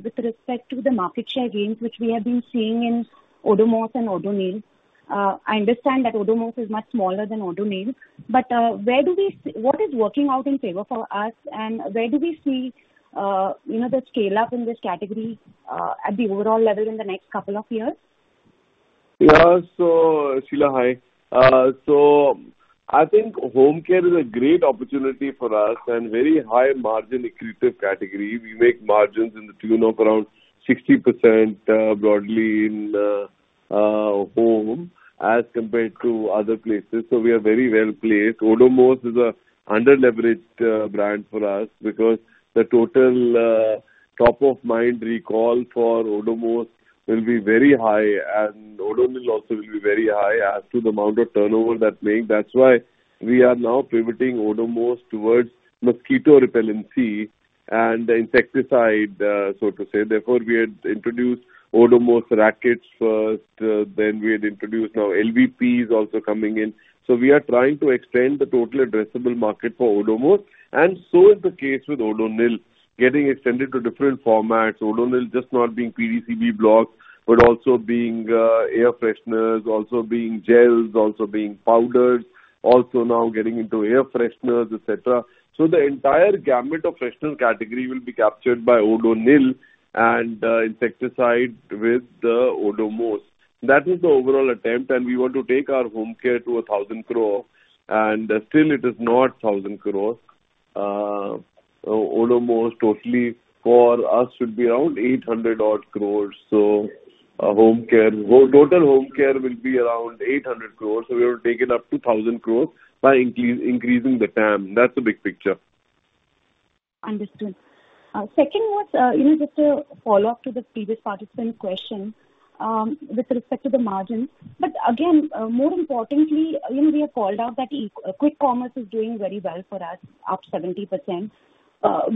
with respect to the market share gains, which we have been seeing in Odomos and Odonil. I understand that Odomos is much smaller than Odonil. But where do we what is working out in favor for us? And where do we see the scale-up in this category at the overall level in the next couple of years? Yeah. So Sheila, hi. So I think home care is a great opportunity for us and very high margin accretive category. We make margins to the tune of around 60% broadly in home as compared to other places. So we are very well placed. Odomos is an under-leveraged brand for us because the total top-of-mind recall for Odomos will be very high, and Odonil also will be very high as to the amount of turnover that's made. That's why we are now pivoting Odomos towards mosquito repellency and insecticide, so to say. Therefore, we had introduced Odomos rackets first. Then we had introduced now LVPs also coming in. So we are trying to extend the total addressable market for Odomos. And so is the case with Odonil, getting extended to different formats. Odonil just not being PDCB blocks, but also being air fresheners, also being gels, also being powders, also now getting into air fresheners, etc. So the entire gamut of freshener category will be captured by Odonil and insecticide with Odomos. That is the overall attempt. And we want to take our home care to 1,000 crore. And still, it is not 1,000 crore. Odomos totally for us should be around 800 crore. So total home care will be around 800 crore. So we will take it up to 1,000 crore by increasing the TAM. That's the big picture. Understood. Second was just a follow-up to the previous participant question with respect to the margins. But again, more importantly, we have called out that Quick Commerce is doing very well for us, up 70%.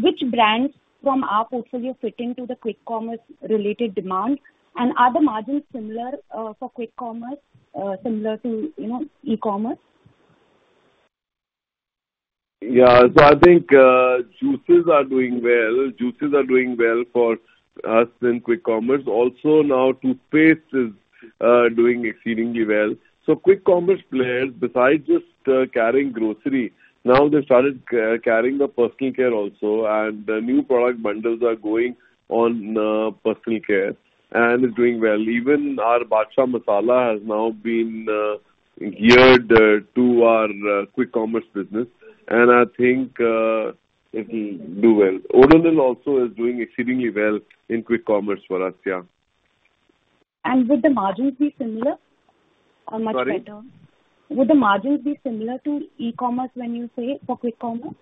Which brands from our portfolio fit into the Quick Commerce-related demand? And are the margins similar for Quick Commerce, similar to e-commerce? Yeah. So I think juices are doing well. Juices are doing well for us in Quick Commerce. Also, now toothpaste is doing exceedingly well. So Quick Commerce players, besides just carrying grocery, now they've started carrying the personal care also. And new product bundles are going on personal care and is doing well. Even our Badshah Masala has now been geared to our Quick Commerce business. And I think it will do well. Odonil also is doing exceedingly well in Quick Commerce for us. Yeah. Would the margins be similar or much better? Would the margins be similar to e-commerce when you say for Quick Commerce?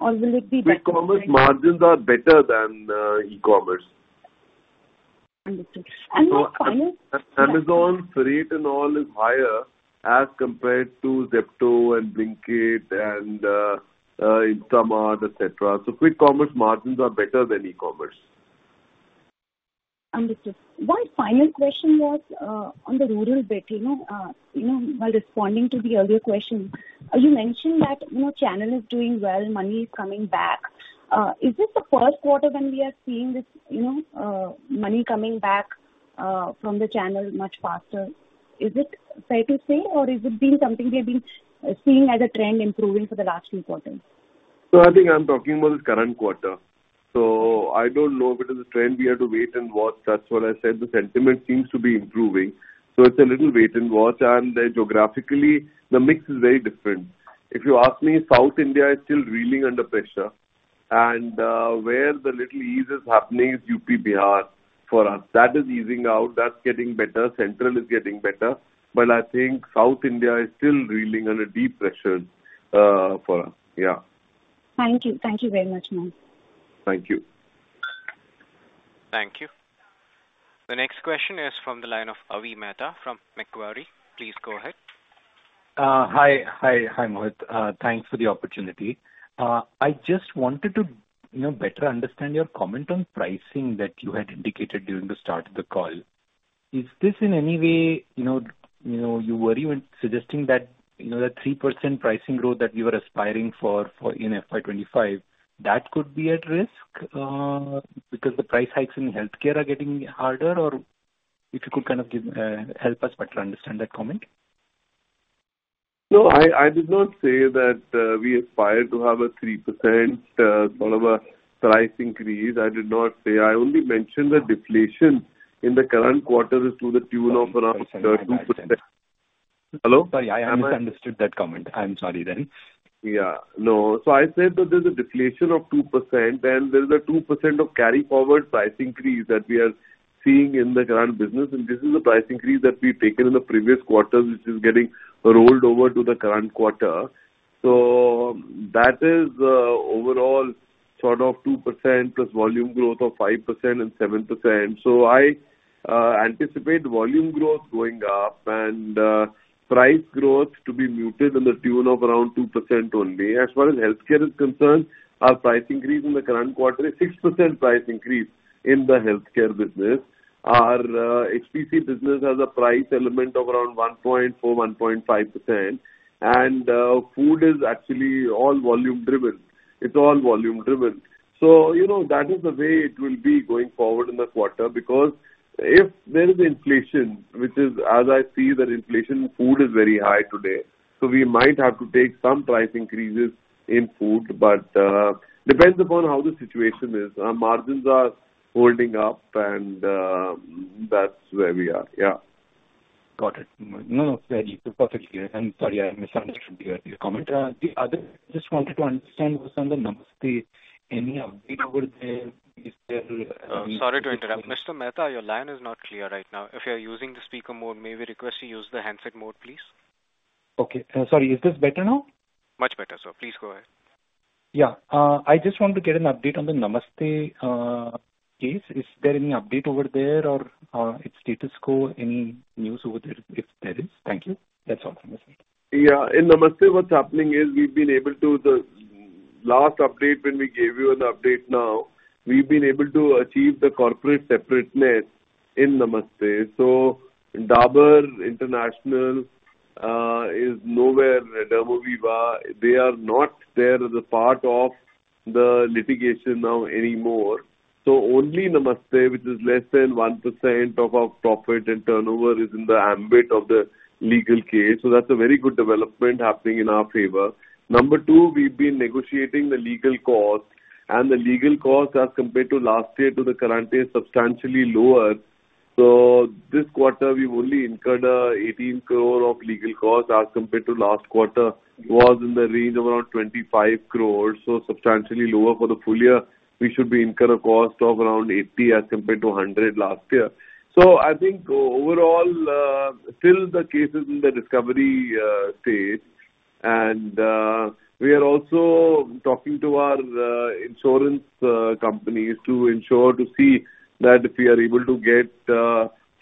Or will it be better? Quick Commerce margins are better than e-commerce. Understood. And what final? Amazon, Swiggy and all is higher as compared to Zepto and Blinkit and Instamart, etc. Quick Commerce margins are better than e-commerce. Understood. One final question was on the rural bit. While responding to the earlier question, you mentioned that channel is doing well, money is coming back. Is this the first quarter when we are seeing this money coming back from the channel much faster? Is it fair to say, or is it being something we have been seeing as a trend improving for the last few quarters? So I think I'm talking about the current quarter. So I don't know if it is a trend. We have to wait and watch. That's what I said. The sentiment seems to be improving. So it's a little wait and watch. And geographically, the mix is very different. If you ask me, South India is still reeling under pressure. And where the little ease is happening is UP, Bihar for us. That is easing out. That's getting better. Central is getting better. But I think South India is still reeling under deep pressures for us. Yeah. Thank you. Thank you very much, Mohit. Thank you. Thank you. The next question is from the line of Avi Mehta from Macquarie. Please go ahead. Hi. Hi, Mohit. Thanks for the opportunity. I just wanted to better understand your comment on pricing that you had indicated during the start of the call. Is this in any way you were even suggesting that 3% pricing growth that you were aspiring for in FY25, that could be at risk because the price hikes in healthcare are getting harder? Or if you could kind of help us better understand that comment. No, I did not say that we aspire to have a 3% sort of a price increase. I did not say. I only mentioned that deflation in the current quarter is to the tune of around 2%. Hello? Sorry, I misunderstood that comment. I'm sorry then. Yeah. No. So I said that there's a deflation of 2%, and there's a 2% of carryforward price increase that we are seeing in the current business. And this is the price increase that we've taken in the previous quarter, which is getting rolled over to the current quarter. So that is overall sort of 2% plus volume growth of 5% and 7%. So I anticipate volume growth going up and price growth to be muted in the tune of around 2% only. As far as healthcare is concerned, our price increase in the current quarter is 6% price increase in the healthcare business. Our HPC business has a price element of around 1.4-1.5%. And food is actually all volume-driven. It's all volume-driven. So that is the way it will be going forward in the quarter because if there is inflation, which is, as I see, that inflation in food is very high today. So we might have to take some price increases in food, but it depends upon how the situation is. Our margins are holding up, and that's where we are. Yeah. Got it. No, no, very perfectly. Sorry, I misunderstood your comment. The other, I just wanted to understand what's on the numbers. Any update over there? Is there? Sorry to interrupt. Mr. Mehta, your line is not clear right now. If you're using the speaker mode, may we request you use the handset mode, please? Okay. Sorry. Is this better now? Much better, sir. Please go ahead. Yeah. I just want to get an update on the Namaste case. Is there any update over there or its status quo? Any news over there if there is? Thank you. That's all from my side. Yeah. In Namaste, what's happening is we've been able to the last update when we gave you an update now, we've been able to achieve the corporate separateness in Namaste. So Dabur International is nowhere near DermoViva. They are not there as a part of the litigation now anymore. So only Namaste, which is less than 1% of our profit and turnover, is in the ambit of the legal case. So that's a very good development happening in our favor. Number two, we've been negotiating the legal cost. And the legal cost as compared to last year to the current day is substantially lower. So this quarter, we've only incurred 18 crore of legal cost as compared to last quarter. It was in the range of around 25 crore. So substantially lower for the full year. We should be incurring a cost of around 80 as compared to 100 last year. So I think overall, still the case is in the discovery stage. We are also talking to our insurance companies to ensure to see that if we are able to get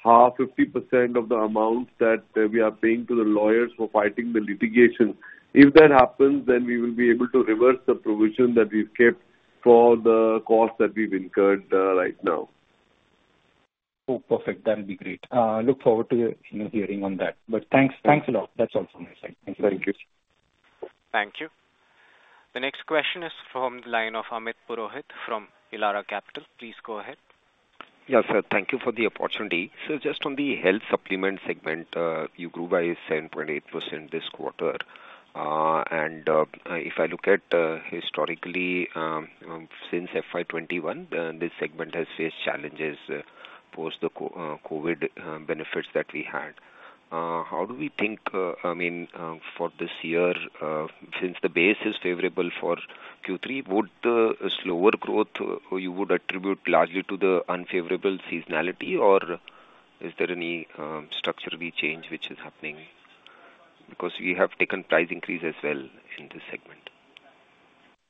half, 50% of the amount that we are paying to the lawyers for fighting the litigation. If that happens, then we will be able to reverse the provision that we've kept for the cost that we've incurred right now. Oh, perfect. That'll be great. Look forward to hearing on that. But thanks a lot. That's all from my side. Thank you. Thank you. Thank you. The next question is from the line of Amit Purohit from Elara Capital. Please go ahead. Yes, sir. Thank you for the opportunity. Just on the health supplement segment, you grew by 7.8% this quarter. If I look at historically since FY21, this segment has faced challenges post the COVID benefits that we had. How do we think, I mean, for this year, since the base is favorable for Q3, would the slower growth you would attribute largely to the unfavorable seasonality, or is there any structurally change which is happening? Because we have taken price increase as well in this segment.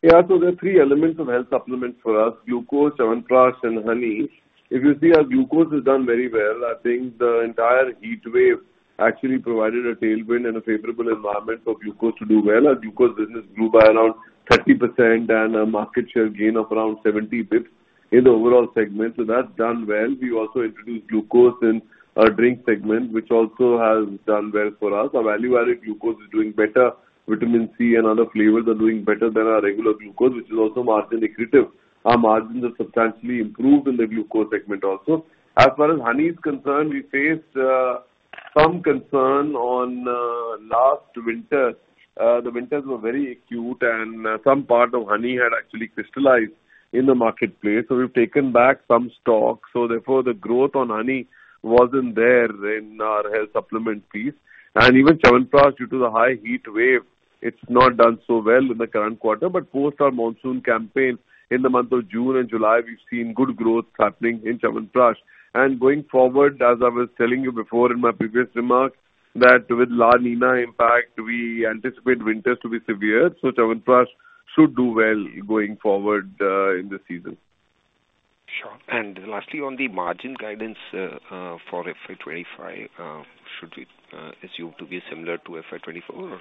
Yeah. So there are three elements of health supplements for us: glucose, Chyawanprash, and honey. If you see, our glucose has done very well. I think the entire heat wave actually provided a tailwind and a favorable environment for glucose to do well. Our glucose business grew by around 30% and a market share gain of around 70 basis points in the overall segment. So that's done well. We also introduced glucose in our drink segment, which also has done well for us. Our value-added glucose is doing better. Vitamin C and other flavors are doing better than our regular glucose, which is also margin accretive. Our margins have substantially improved in the glucose segment also. As far as honey is concerned, we faced some concern on last winter. The winters were very acute, and some part of honey had actually crystallized in the marketplace. So we've taken back some stock. Therefore, the growth on Honey wasn't there in our health supplement piece. Even Chyawanprash, due to the high heat wave, it's not done so well in the current quarter. But post our monsoon campaign in the month of June and July, we've seen good growth happening in Chyawanprash. And going forward, as I was telling you before in my previous remark, that with La Niña impact, we anticipate winters to be severe. So Chyawanprash should do well going forward in the season. Sure. Lastly, on the margin guidance for FY25, should we assume to be similar to FY24 or?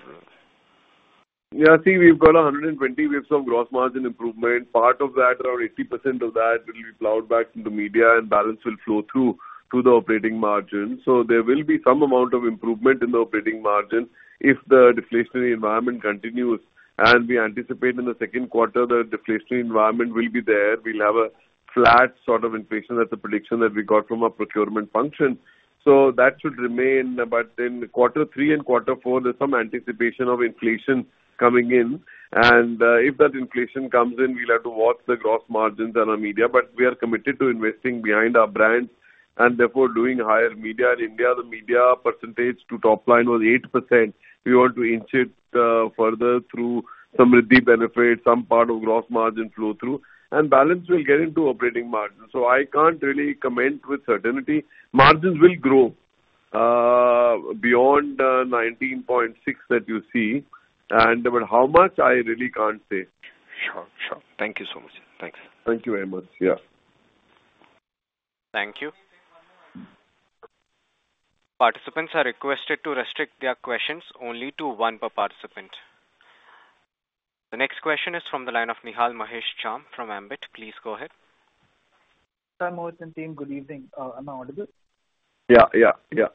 Yeah. See, we've got 120 bps of gross margin improvement. Part of that, around 80% of that, will be plowed back into media, and balance will flow through to the operating margin. So there will be some amount of improvement in the operating margin if the deflationary environment continues. We anticipate in the second quarter, the deflationary environment will be there. We'll have a flat sort of inflation. That's the prediction that we got from our procurement function. So that should remain. But in quarter three and quarter four, there's some anticipation of inflation coming in. And if that inflation comes in, we'll have to watch the gross margins and our media. But we are committed to investing behind our brands and therefore doing higher media. In India, the media percentage to top line was 8%. We want to inch it further through some Samriddhi benefits, some part of gross margin flow through. Balance will get into operating margin. I can't really comment with certainty. Margins will grow beyond 19.6% that you see. How much, I really can't say. Sure. Sure. Thank you so much. Thanks. Thank you very much. Yeah. Thank you. Participants are requested to restrict their questions only to one per participant. The next question is from the line of Nihal Mahesh Jham from Ambit. Please go ahead. Hi Mohit and team. Good evening. Am I audible? Yeah. Yeah. Yeah.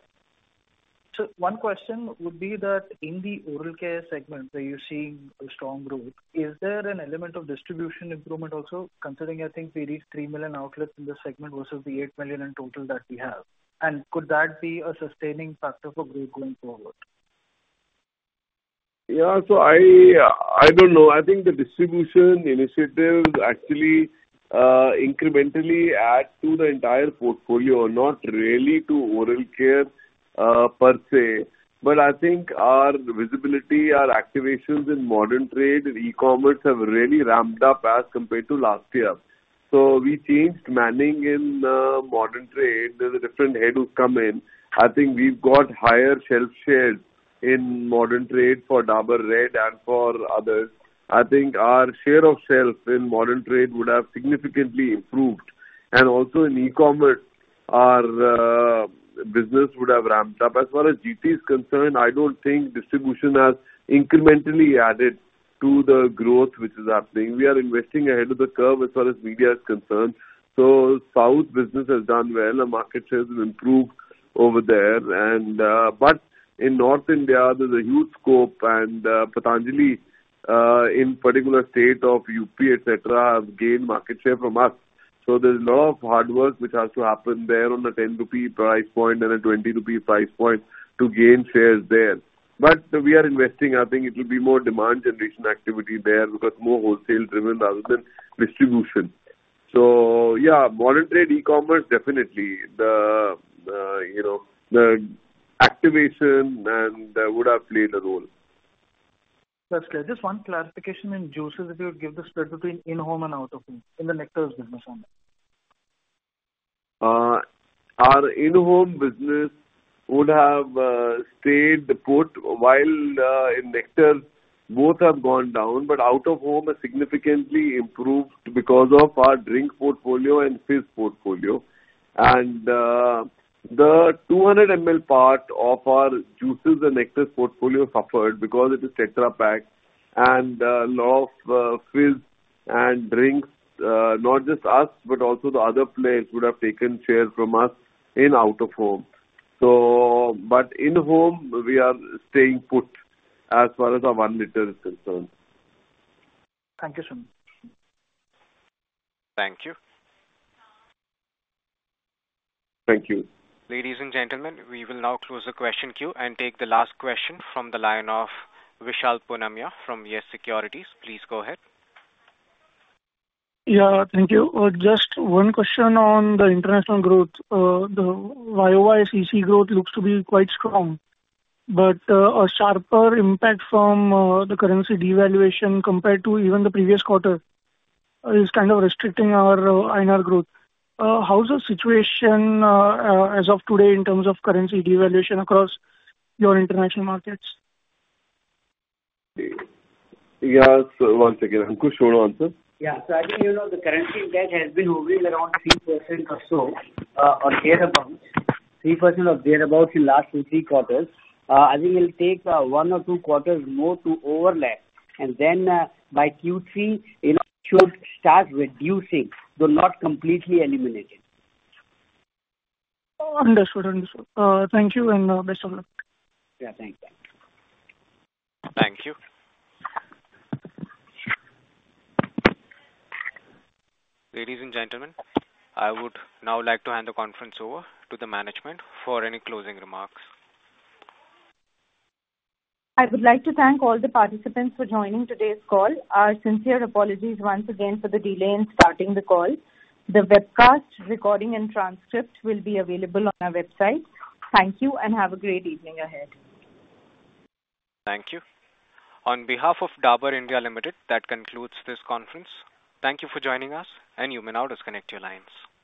One question would be that in the oral care segment, where you're seeing a strong growth, is there an element of distribution improvement also considering I think we reached 3 million outlets in this segment versus the 8 million in total that we have? And could that be a sustaining factor for growth going forward? Yeah. So I don't know. I think the distribution initiatives actually incrementally add to the entire portfolio, not really to oral care per se. But I think our visibility, our activations in modern trade and e-commerce have really ramped up as compared to last year. So we changed manning in modern trade. There's a different head who's come in. I think we've got higher shelf shares in modern trade for Dabur Red and for others. I think our share of shelf in modern trade would have significantly improved. And also in e-commerce, our business would have ramped up. As far as GT is concerned, I don't think distribution has incrementally added to the growth which is happening. We are investing ahead of the curve as far as media is concerned. So South business has done well. The market shares have improved over there. But in North India, there's a huge scope. And Patanjali, in particular, state of UP, etc., have gained market share from us. So there's a lot of hard work which has to happen there on a 10 rupee price point and a 20 rupee price point to gain shares there. But we are investing. I think it will be more demand generation activity there because more wholesale-driven rather than distribution. So yeah, modern trade e-commerce, definitely. The activation would have played a role. That's clear. Just one clarification in juices, if you would give the split between in-home and out-of-home in the nectars business only. Our in-home business would have stayed put, while in nectar, both have gone down. But out-of-home has significantly improved because of our drink portfolio and fizz portfolio. And the 200-ml part of our juices and nectar portfolio suffered because it is Tetra Pak. And a lot of fizz and drinks, not just us, but also the other players would have taken shares from us in out-of-home. But in-home, we are staying put as far as our 1L is concerned. Thank you so much. Thank you. Thank you. Ladies and gentlemen, we will now close the question queue and take the last question from the line of Vishal Punmiya from Yes Securities. Please go ahead. Yeah. Thank you. Just one question on the international growth. The YOY CC growth looks to be quite strong. But a sharper impact from the currency devaluation compared to even the previous quarter is kind of restricting our INR growth. How's the situation as of today in terms of currency devaluation across your international markets? Yeah. So once again, I'm too short to answer. Yeah. So I think the currency index has been hovering around 3% or so or thereabouts, 3% or thereabouts in the last two or three quarters. I think it'll take one or two quarters more to overlap. And then by Q3, it should start reducing, though not completely eliminated. Understood. Understood. Thank you and best of luck. Yeah. Thank you. Thank you. Ladies and gentlemen, I would now like to hand the conference over to the management for any closing remarks. I would like to thank all the participants for joining today's call. Our sincere apologies once again for the delay in starting the call. The webcast, recording, and transcript will be available on our website. Thank you and have a great evening ahead. Thank you. On behalf of Dabur India Limited, that concludes this conference. Thank you for joining us, and you may now disconnect your lines.